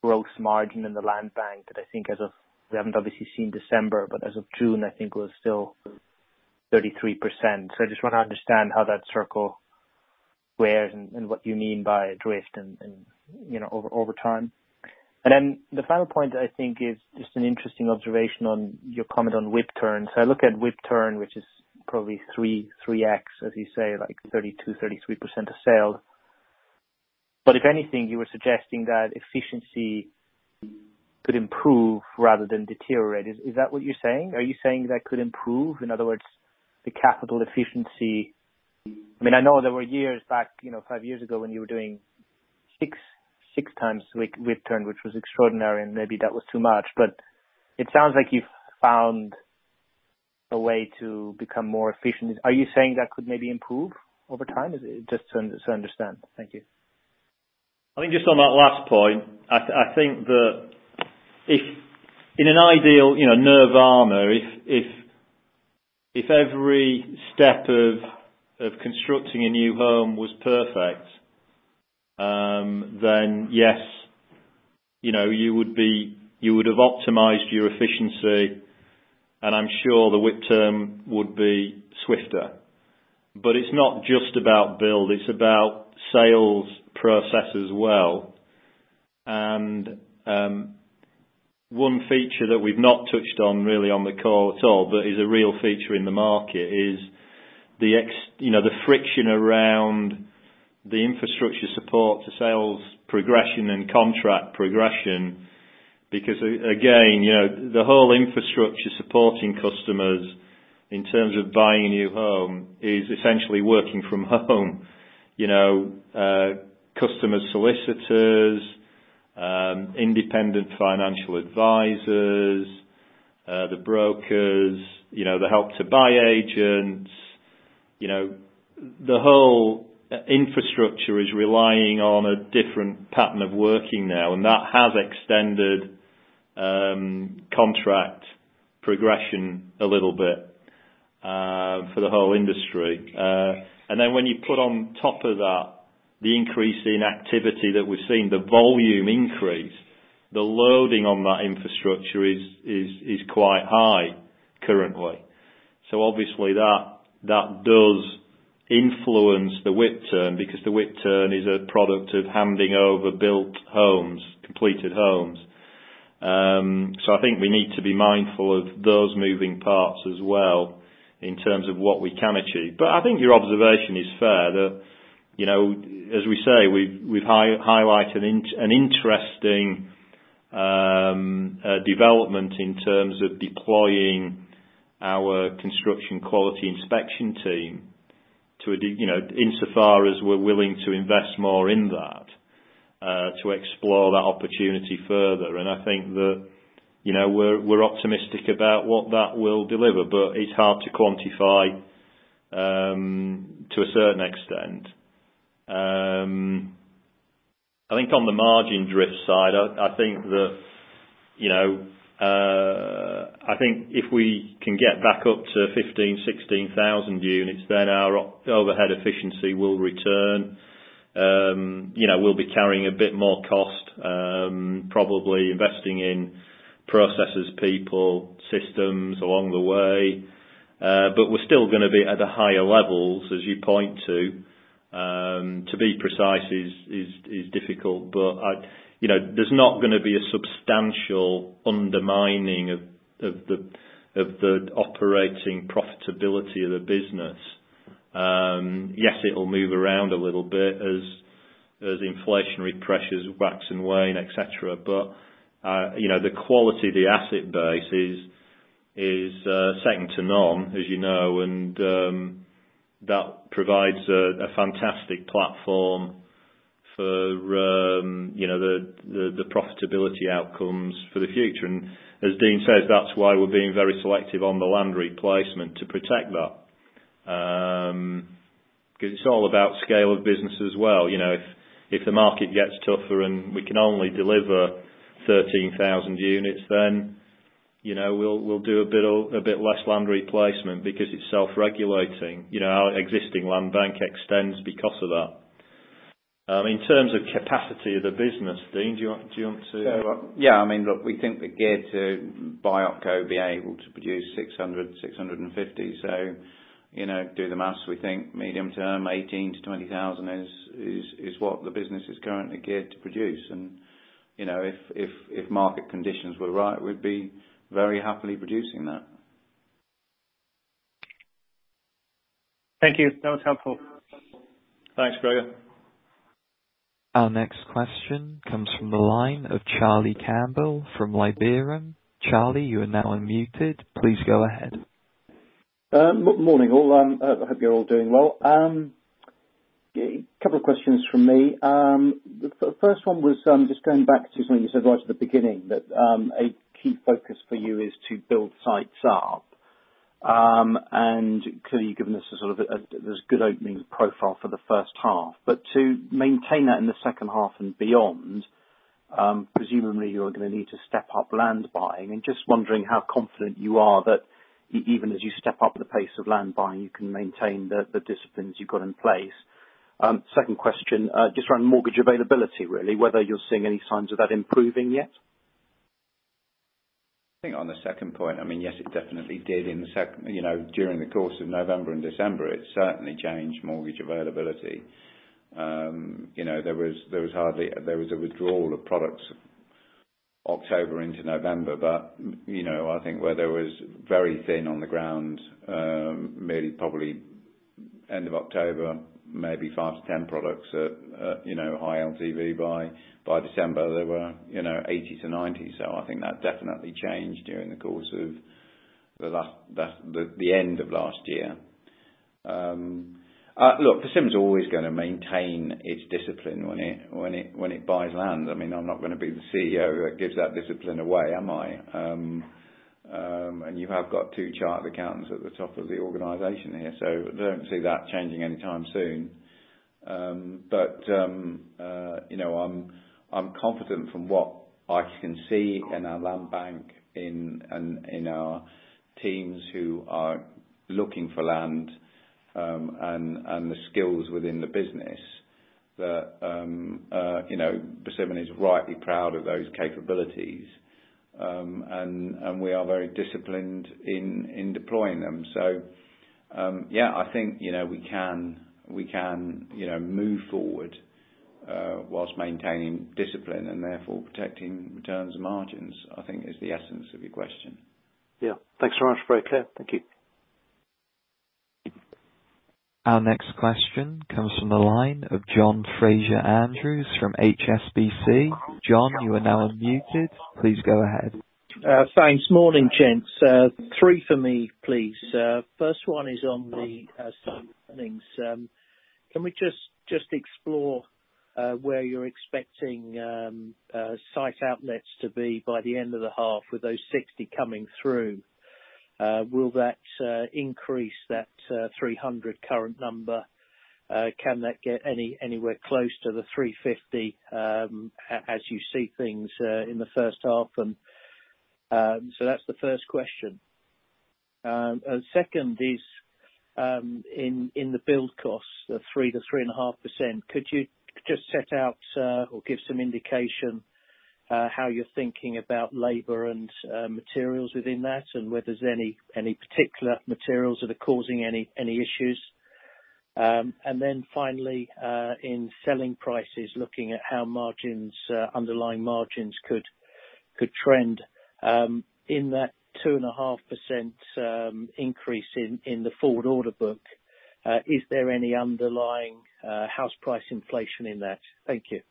gross margin in the land bank that I think as of, we haven't obviously seen December, but as of June, I think was still 33%. I just want to understand how that circle squares and what you mean by drift and over time. The final point, I think, is just an interesting observation on your comment on WIP turn. I look at WIP turn, which is probably 3x, as you say, like 32%, 33% of sale. If anything, you were suggesting that efficiency could improve rather than deteriorate. Is that what you're saying? Are you saying that could improve, in other words, the capital efficiency? I know there were years back, five years ago when you were doing six times WIP turn, which was extraordinary, and maybe that was too much, but it sounds like you've found a way to become more efficient. Are you saying that could maybe improve over time? Just to understand, thank you. I think just on that last point, I think that if in an ideal nirvana, if every step of constructing a new home was perfect, then yes, you would have optimized your efficiency, and I'm sure the WIP turn would be swifter. It's not just about build; it's about sales process as well. One feature that we've not touched on really on the call at all, but is a real feature in the market is the friction around the infrastructure support to sales progression and contract progression. Again, the whole infrastructure supporting customers in terms of buying a new home is essentially working from home. Customer solicitors, independent financial advisors, the brokers, the Help to Buy agents, the whole infrastructure is relying on a different pattern of working now, and that has extended contract progression a little bit for the whole industry. When you put on top of that the increase in activity that we've seen, the volume increase, the loading on that infrastructure is quite high currently. Obviously, that does influence the WIP turn because the WIP turn is a product of handing over built homes, completed homes. I think we need to be mindful of those moving parts as well in terms of what we can achieve. I think your observation is fair that, as we say, we've highlighted an interesting development in terms of deploying our construction quality inspection team insofar as we're willing to invest more in that, to explore that opportunity further. I think that we're optimistic about what that will deliver, but it's hard to quantify to a certain extent. I think on the margin drift side, I think if we can get back up to 15,000, 16,000 units, then our overhead efficiency will return. We'll be carrying a bit more cost, probably investing in processes, people, systems along the way. We're still going to be at the higher levels, as you point to. To be precise is difficult. There's not going to be a substantial undermining of the operating profitability of the business. Yes, it will move around a little bit as inflationary pressures wax and wane, et cetera. The quality of the asset base is second to none, as you know. That provides a fantastic platform for the profitability outcomes for the future. As Dean says, that's why we're being very selective on the land replacement to protect that. It's all about scale of business as well. If the market gets tougher and we can only deliver 13,000 units, then we'll do a bit less land replacement because it's self-regulating. Our existing land bank extends because of that. In terms of capacity of the business, Dean, do you want to. Yeah, I mean look, we think we're geared to, by OpCo, be able to produce 600, 650. Do the math. We think medium term, 18,000-20,000 is what the business is currently geared to produce. If market conditions were right, we'd be very happily producing that. Thank you, that was helpful. Thanks, Gregor. Our next question comes from the line of Charlie Campbell from Liberum Capital. Charlie, you are now unmuted, please go ahead. Morning, all, I hope you're all doing well. Couple of questions from me, the first one was just going back to something you said right at the beginning, that a key focus for you is to build sites up. Clearly, you've given us a sort of this good opening profile for the first half. To maintain that in the second half and beyond, presumably you're going to need to step up land buying. Just wondering how confident you are that even as you step up the pace of land buying, you can maintain the disciplines you've got in place. Second question, just around mortgage availability, really. Whether you're seeing any signs of that improving yet. I think on the second point, yes, it definitely did. During the course of November and December, it certainly changed mortgage availability. There was a withdrawal of products October into November. I think where there was very thin on the ground, maybe probably end of October, maybe 5-10 products at high LTV. By December, there were 80-90. I think that definitely changed during the end of last year. Look, Persimmon's always going to maintain its discipline when it buys land. I'm not going to be the CEO who gives that discipline away, am I? You have got two chartered accountants at the top of the organization here, so I don't see that changing anytime soon. I'm confident from what I can see in our land bank and in our teams who are looking for land, and the skills within the business that Persimmon is rightly proud of those capabilities. We are very disciplined in deploying them. Yeah, I think we can move forward whilst maintaining discipline and therefore protecting returns and margins, I think is the essence of your question. Yeah, thanks very much, very clear, thank you. Our next question comes from the line of John Fraser-Andrews from HSBC. John, you are now unmuted, please go ahead. Thanks, morning, gents. Three for me, please, first one is on the site openings. Can we just explore where you're expecting site outlets to be by the end of the half with those 60 coming through? Will that increase that 300 current number? Can that get anywhere close to the 350, as you see things in the first half? That's the first question. Second is, in the build costs of 3%-3.5%, could you just set out or give some indication how you're thinking about labor and materials within that, and whether there's any particular materials that are causing any issues? Finally, in selling prices, looking at how underlying margins could trend. In that 2.5% increase in the forward order book, is there any underlying house price inflation in that? Thank you.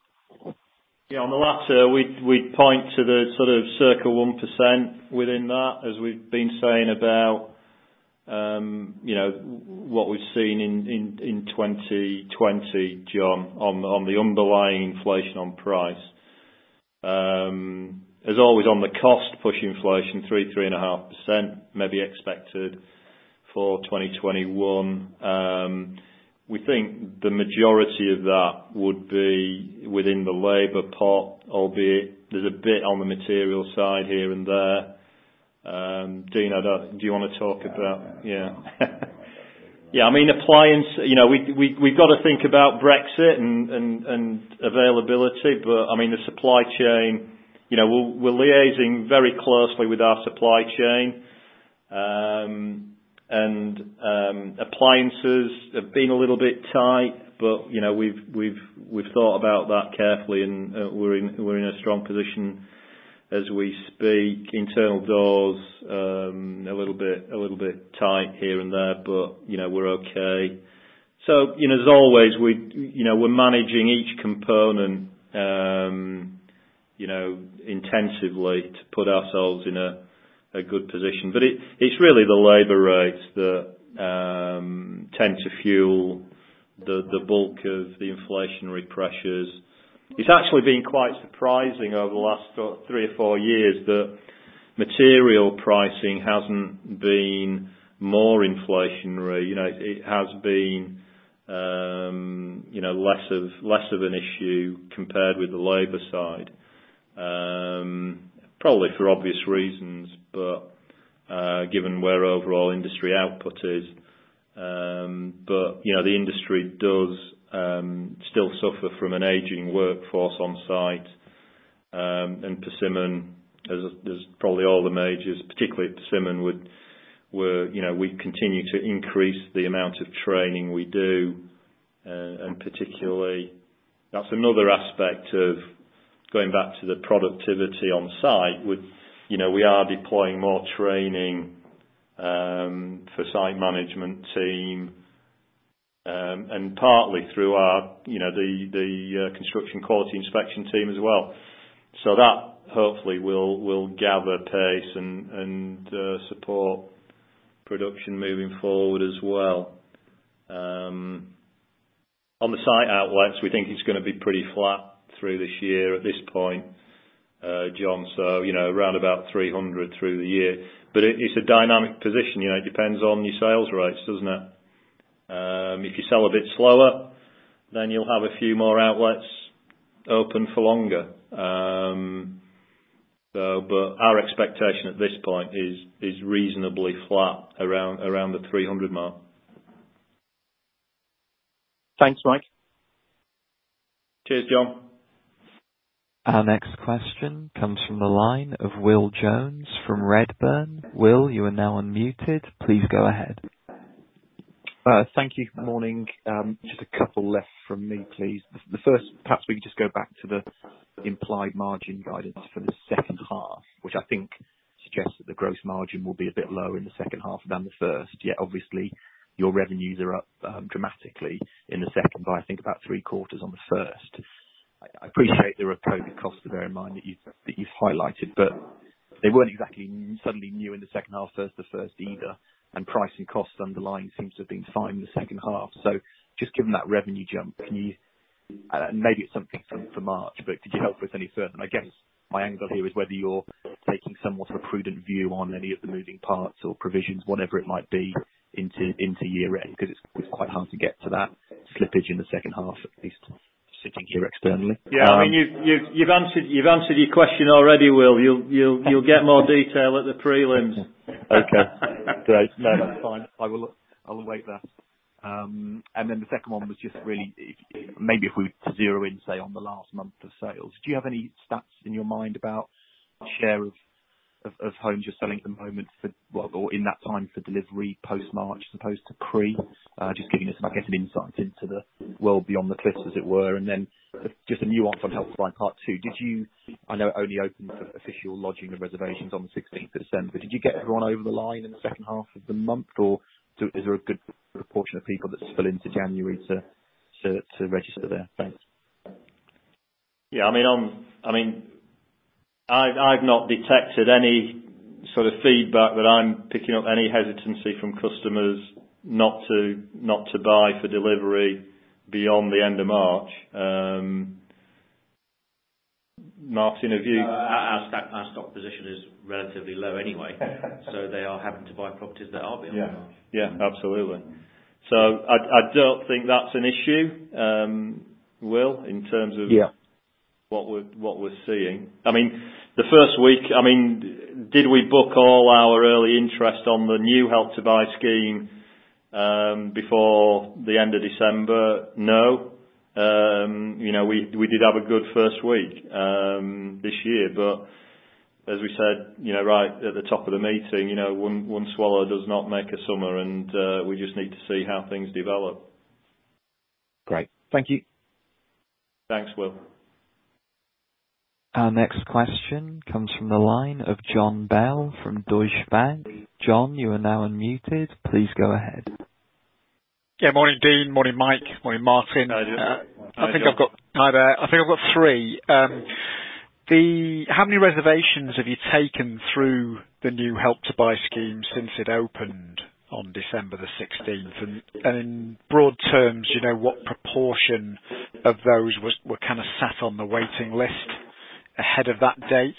Yeah, on the latter, we'd point to the sort of 1% within that, as we've been saying about what we've seen in 2020, John, on the underlying inflation on price. As always on the cost push inflation, 3%, 3.5% may be expected for 2021. We think the majority of that would be within the labor part, albeit there's a bit on the material side here and there. Dean, do you want to talk about yeah. Yeah, we've got to think about Brexit and availability, the supply chain, we're liaising very closely with our supply chain. Appliances have been a little bit tight, but we've thought about that carefully and we're in a strong position. As we speak, internal doors, a little bit tight here and there, but we're okay. As always, we're managing each component intensively to put ourselves in a good position. It's really the labor rates that tend to fuel the bulk of the inflationary pressures. It's actually been quite surprising over the last three or four years that material pricing hasn't been more inflationary. It has been less of an issue compared with the labor side, probably for obvious reasons, but given where overall industry output is. The industry does still suffer from an aging workforce on site, and Persimmon, as probably all the majors, particularly at Persimmon, we continue to increase the amount of training we do. Particularly, that's another aspect of going back to the productivity on site, we are deploying more training for site management team, and partly through the construction quality inspection team as well. That hopefully will gather pace and support production moving forward as well. On the site outlets, we think it's going to be pretty flat through this year at this point, John, around about 300 through the year. It's a dynamic position. It depends on your sales rates, doesn't it? If you sell a bit slower, then you'll have a few more outlets open for longer. Our expectation at this point is reasonably flat around the 300 mark. Thanks, Mike. Cheers, John. Our next question comes from the line of Will Jones from Redburn. Will, you are now unmuted, please go ahead. Thank you, morning. Just a couple left from me, please. The first, perhaps we can just go back to the implied margin guidance for the second half, which I think suggests that the gross margin will be a bit lower in the second half than the first, yet obviously, your revenues are up dramatically in the second by, I think, about three-quarters on the first. I appreciate there are COVID costs to bear in mind that you've highlighted, but they weren't exactly suddenly new in the second half versus the first either, and pricing costs underlying seems to have been fine in the second half. Just given that revenue jump, maybe it's something for March. I guess my angle here is whether you're taking somewhat of a prudent view on any of the moving parts or provisions, whatever it might be, into year-end, because it's quite hard to get to that slippage in the second half, at least sitting here externally. Yeah, you've answered your question already, Will. You'll get more detail at the prelims. Okay, great, no, that's find, I will await that. The second one was just really, maybe if we zero in, say, on the last month of sales. Do you have any stats in your mind about share of homes you're selling at the moment for what, or in that time for delivery post-March as opposed to pre? Just giving us some insight into the world beyond the cliffs, as it were. Just a nuance on Help to Buy Part 2. I know it only opened for official lodging of reservations on the 16th of December. Did you get everyone over the line in the second half of the month, or is there a good proportion of people that spill into January to register there? Thanks. Yeah, I've not detected any sort of feedback that I'm picking up any hesitancy from customers not to buy for delivery beyond the end of March. Martyn, have you- Our stock position is relatively low anyway. They are having to buy properties that are beyond March. Yeah, absolutely. I don't think that's an issue, Will. In terms of- Yeah.... what we're seeing. The first week, did we book all our early interest on the new Help to Buy scheme before the end of December? No. We did have a good first week this year. As we said, right at the top of the meeting, one swallow does not make a summer, and we just need to see how things develop. Great, thank you. Thanks, Will. Our next question comes from the line of John Bell from Deutsche Bank. John, you are now unmuted, please go ahead. Yeah, morning, Dean, morning, Mike, morning, Martyn. Hi there, I think I've got three. How many reservations have you taken through the new Help to Buy scheme since it opened on December the 16th? In broad terms, what proportion of those were kind of sat on the waiting list ahead of that date?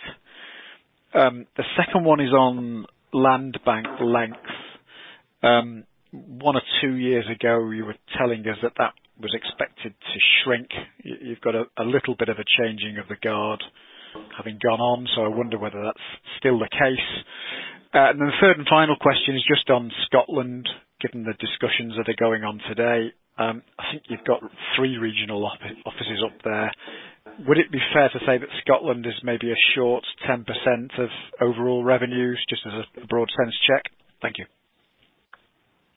The second one is on land bank length. One or two years ago, you were telling us that that was expected to shrink. You've got a little bit of a changing of the guard having gone on. I wonder whether that's still the case. The third and final question is just on Scotland, given the discussions that are going on today. I think you've got three regional offices up there. Would it be fair to say that Scotland is maybe a short 10% of overall revenues, just as a broad sense check? Thank you.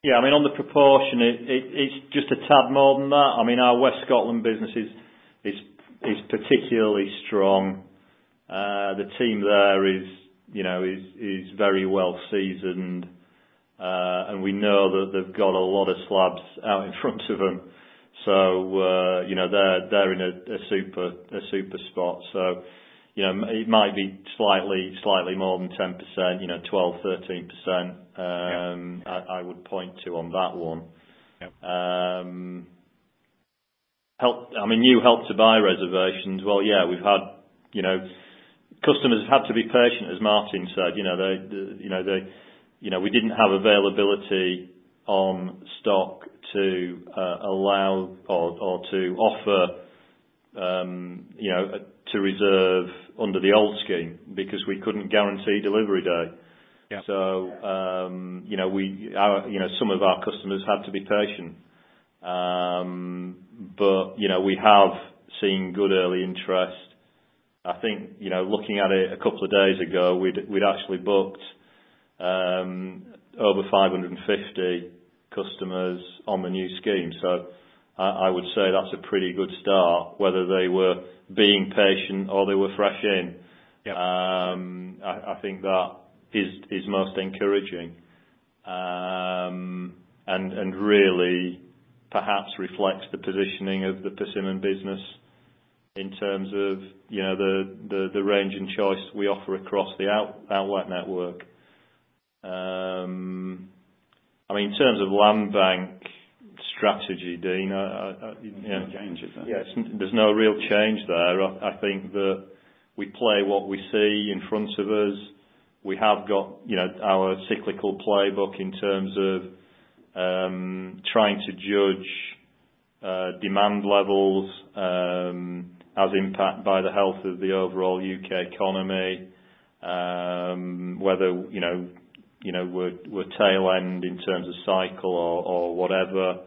Yeah, on the proportion, it's just a tad more than that. Our West Scotland business is particularly strong. The team there is very well seasoned, and we know that they've got a lot of slabs out in front of them. They're in a super spot. It might be slightly more than 10%, 12%, 13%. Yeah. I would point to on that one. Yep. New Help to Buy reservations. Well, yeah, customers have had to be patient, as Martyn said. We didn't have availability on stock to allow or to offer to reserve under the old scheme because we couldn't guarantee delivery day. Yeah. Some of our customers had to be patient. We have seen good early interest. I think, looking at it a couple of days ago, we'd actually booked over 550 customers on the new scheme. I would say that's a pretty good start, whether they were being patient or they were fresh in. Yeah. I think that is most encouraging, and really perhaps reflects the positioning of the Persimmon business in terms of the range and choice we offer across the outlet network. In terms of land bank strategy, Dean. No change there. Yes, there's no real change there. I think that we play what we see in front of us. We have got our cyclical playbook in terms of trying to judge demand levels as impact by the health of the overall U.K. economy, whether we're tail end in terms of cycle or whatever.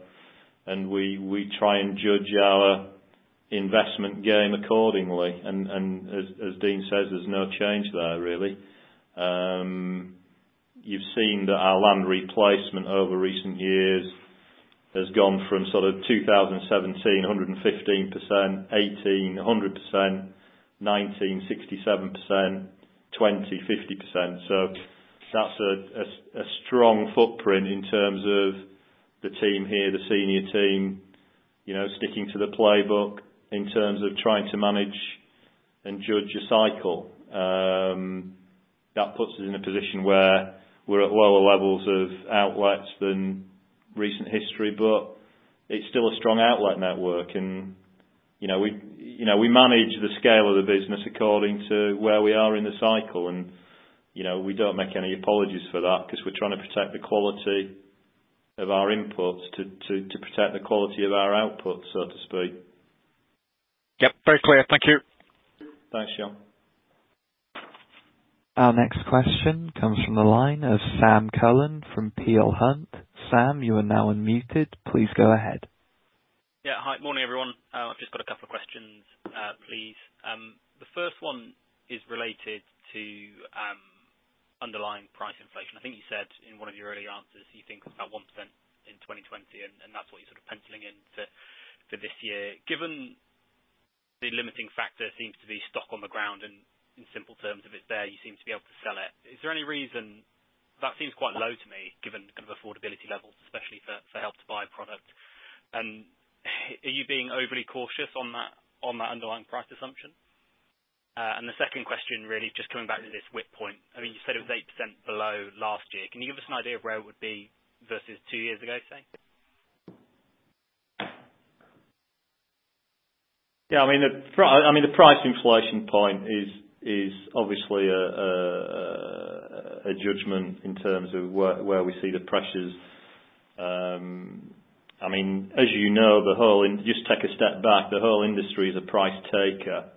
We try and judge our investment game accordingly. As Dean says, there's no change there really. You've seen that our land replacement over recent years has gone from sort of 2017, 115%, 2018, 100%, 2019, 67%, 2020, 50%. That's a strong footprint in terms of the team here, the senior team, sticking to the playbook in terms of trying to manage and judge a cycle. That puts us in a position where we're at lower levels of outlets than recent history. It's still a strong outlet network, and we manage the scale of the business according to where we are in the cycle. We don't make any apologies for that because we're trying to protect the quality of our inputs to protect the quality of our output, so to speak. Yep, very clear, thank you. Thanks, John. Our next question comes from the line of Sam Cullen from Peel Hunt. Sam, you are now unmuted, please go ahead. Hi, morning, everyone. I've just got a couple of questions, please. The first one is related to underlying price inflation. I think you said in one of your early answers you think it's about 1% in 2020, and that's what you're sort of penciling in for this year. Given the limiting factor seems to be stock on the ground and in simple terms, if it's there, you seem to be able to sell it. Is there any reason that seems quite low to me, given kind of affordability levels, especially for Help to Buy product? Are you being overly cautious on that underlying price assumption? The second question really just coming back to this WIP point. You said it was 8% below last year. Can you give us an idea of where it would be versus two years ago, say? Yeah, the price inflation point is obviously a judgment in terms of where we see the pressures. As you know, just take a step back, the whole industry is a price taker,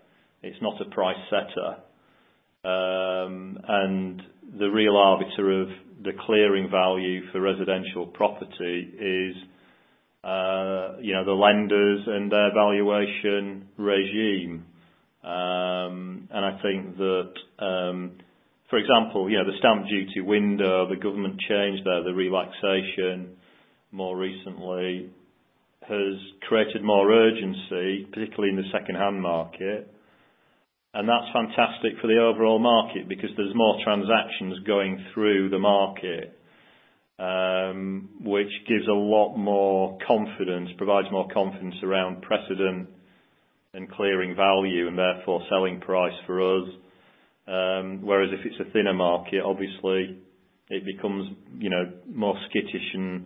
it's not a price setter. The real arbiter of the clearing value for residential property is the lenders and their valuation regime. I think that, for example, the stamp duty holiday, the government changed there. The relaxation more recently has created more urgency, particularly in the secondhand market. That's fantastic for the overall market because there's more transactions going through the market, which gives a lot more confidence, provides more confidence around precedent and clearing value, and therefore selling price for us. Whereas if it's a thinner market, obviously it becomes more skittish and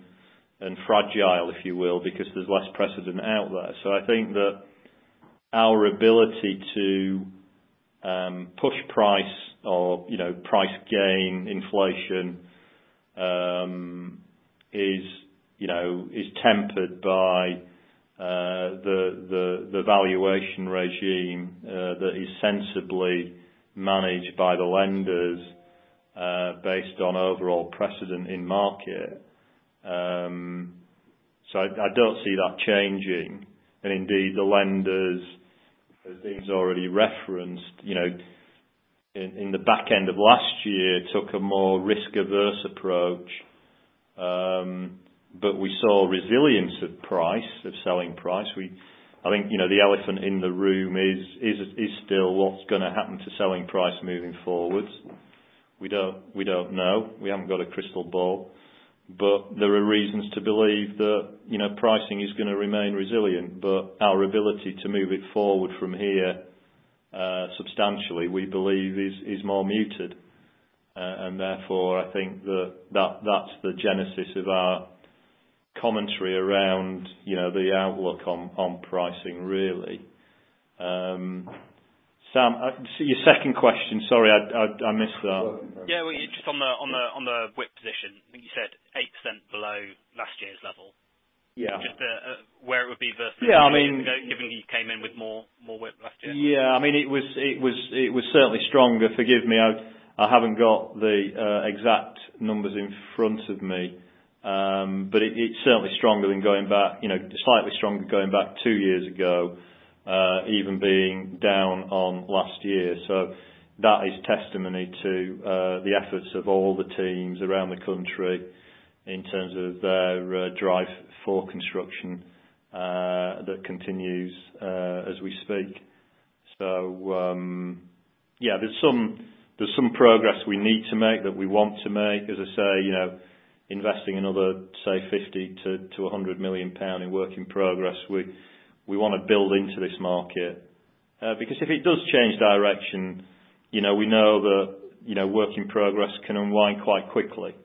fragile, if you will, because there's less precedent out there. I think that our ability to push price or price gain inflation is tempered by the valuation regime that is sensibly managed by the lenders, based on overall precedent in market. I don't see that changing. Indeed, the lenders, as Dean's already referenced, in the back end of last year, took a more risk-averse approach. We saw resilience of selling price. I think, the elephant in the room is still what's going to happen to selling price moving forward. We don't know, we haven't got a crystal ball. There are reasons to believe that pricing is going to remain resilient. Our ability to move it forward from here, substantially, we believe is more muted. Therefore, I think that's the genesis of our commentary around the outlook on pricing, really. Sam, your second question, sorry, I missed that. Yeah, just on the WIP position, I think you said 8% below last year's level. Yeah. Just where it would be versus. Yeah, I mean given you came in with more WIP last year. It was certainly stronger. Forgive me, I haven't got the exact numbers in front of me. It's certainly slightly stronger than going back two years ago, even being down on last year. That is testimony to the efforts of all the teams around the country in terms of their drive for construction that continues as we speak. There's some progress we need to make, that we want to make. As I say, investing another, say 50 million-100 million pounds in work in progress. We want to build into this market. If it does change direction, we know that work in progress can unwind quite quickly.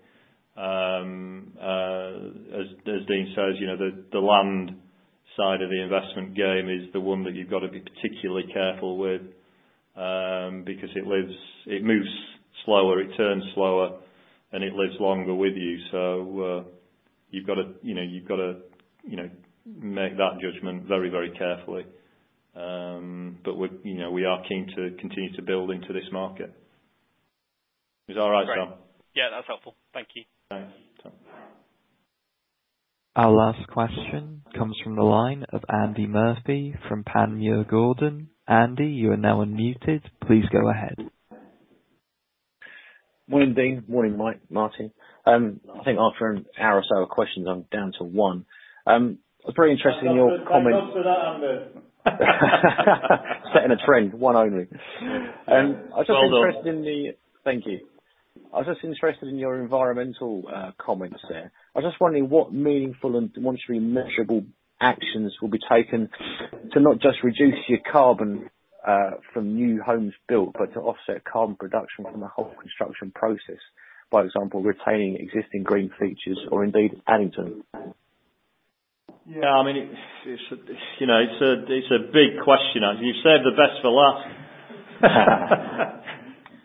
As Dean says, the land side of the investment game is the one that you've got to be particularly careful with. It moves slower, it turns slower, and it lives longer with you. You've got to make that judgment very carefully. We are keen to continue to build into this market. Is that all right, Sam? Great, yeah, that's helpful, thank you. Thanks, Sam. Our last question comes from the line of Andy Murphy from Panmure Gordon. Andy, you are now unmuted, please go ahead. Morning, Dean, morning, Marty. I think after an hour or so of questions, I'm down to one. It's very interesting in your comment. Clap for that, Andy. Setting a trend, one only. Well done. Thank you, I was just interested in your environmental comments there. I was just wondering what meaningful and monetary measurable actions will be taken to not just reduce your carbon, from new homes built, but to offset carbon production from the whole construction process, by example, retaining existing green features or indeed adding to them. Yeah, it's a big question, isn't it? You've saved the best for last.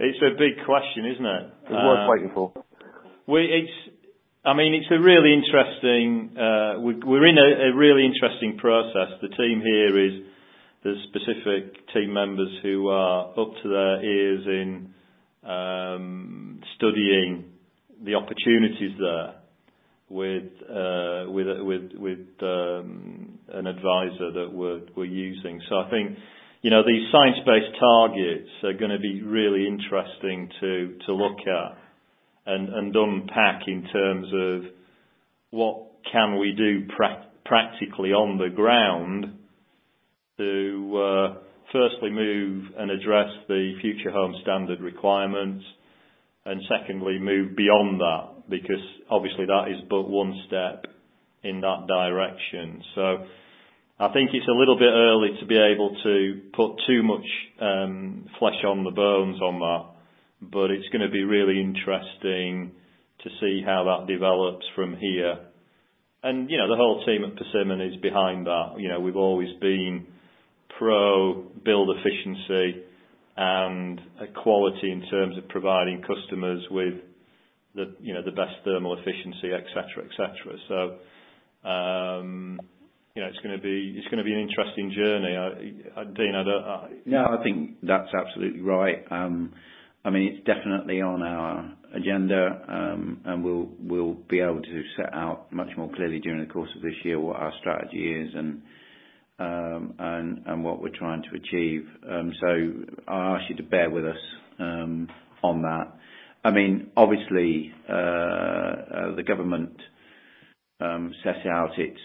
It's a big question, isn't it? It was worth waiting for. We're in a really interesting process. The team here is, there's specific team members who are up to their ears in studying the opportunities there with an advisor that we're using. I think these science-based targets are going to be really interesting to look at and unpack in terms of what can we do practically on the ground to, firstly, move and address the Future Homes Standard requirements and secondly, move beyond that, because obviously that is but one step in that direction. I think it's a little bit early to be able to put too much flesh on the bones on that, but it's going to be really interesting to see how that develops from here. The whole team at Persimmon is behind that. We've always been pro build efficiency and quality in terms of providing customers with the best thermal efficiency, et cetera. it's going to be an interesting journey. Dean. No, I think that's absolutely right. It's definitely on our agenda, and we'll be able to set out much more clearly during the course of this year what our strategy is and what we're trying to achieve. I'll ask you to bear with us on that. Obviously, the government sets out its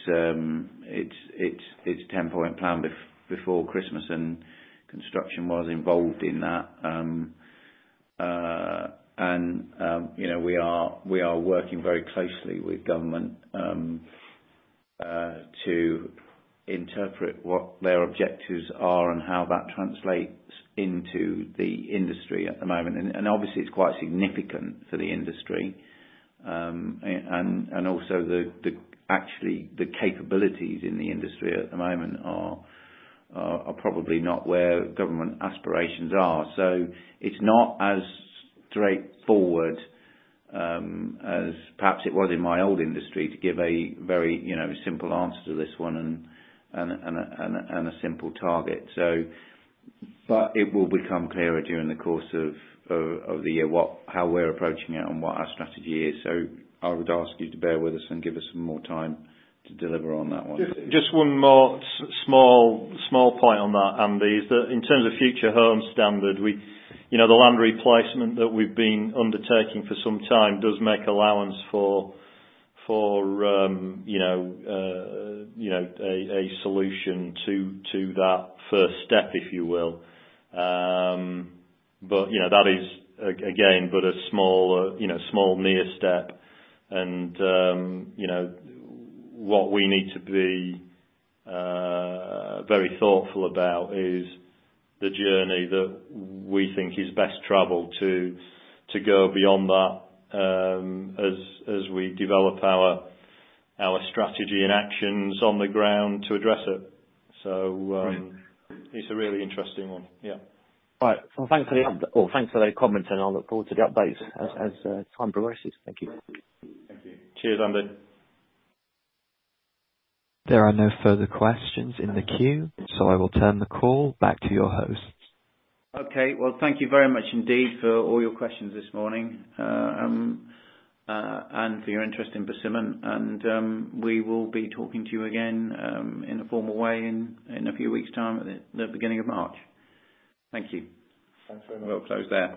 Ten Point Plan before Christmas. Construction was involved in that. We are working very closely with government to interpret what their objectives are and how that translates into the industry at the moment. Obviously, it's quite significant for the industry. Also, actually, the capabilities in the industry at the moment are probably not where government aspirations are. It's not as straightforward, as perhaps it was in my old industry to give a very simple answer to this one and a simple target. It will become clearer during the course of the year how we're approaching it and what our strategy is. I would ask you to bear with us and give us some more time to deliver on that one. Just one more small point on that, Andy, is that in terms of Future Homes Standard, the land replacement that we've been undertaking for some time does make allowance for a solution to that first step, if you will. That is, again, but a small near step. What we need to be very thoughtful about is the journey that we think is best traveled to go beyond that as we develop our strategy and actions on the ground to address it. Great. It's a really interesting one, yeah. All right, thanks for the comment, and I'll look forward to the updates as time progresses, thank you. Thank you. Cheers, Andy. There are no further questions in the queue, so I will turn the call back to your hosts. Okay, thank you very much indeed for all your questions this morning. For your interest in Persimmon. We will be talking to you again in a formal way in a few week's time, at the beginning of March, thank you. Thanks very much. We'll close there.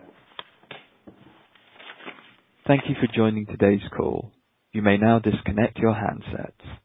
Thank you for joining today's call, you may now disconnect your handsets.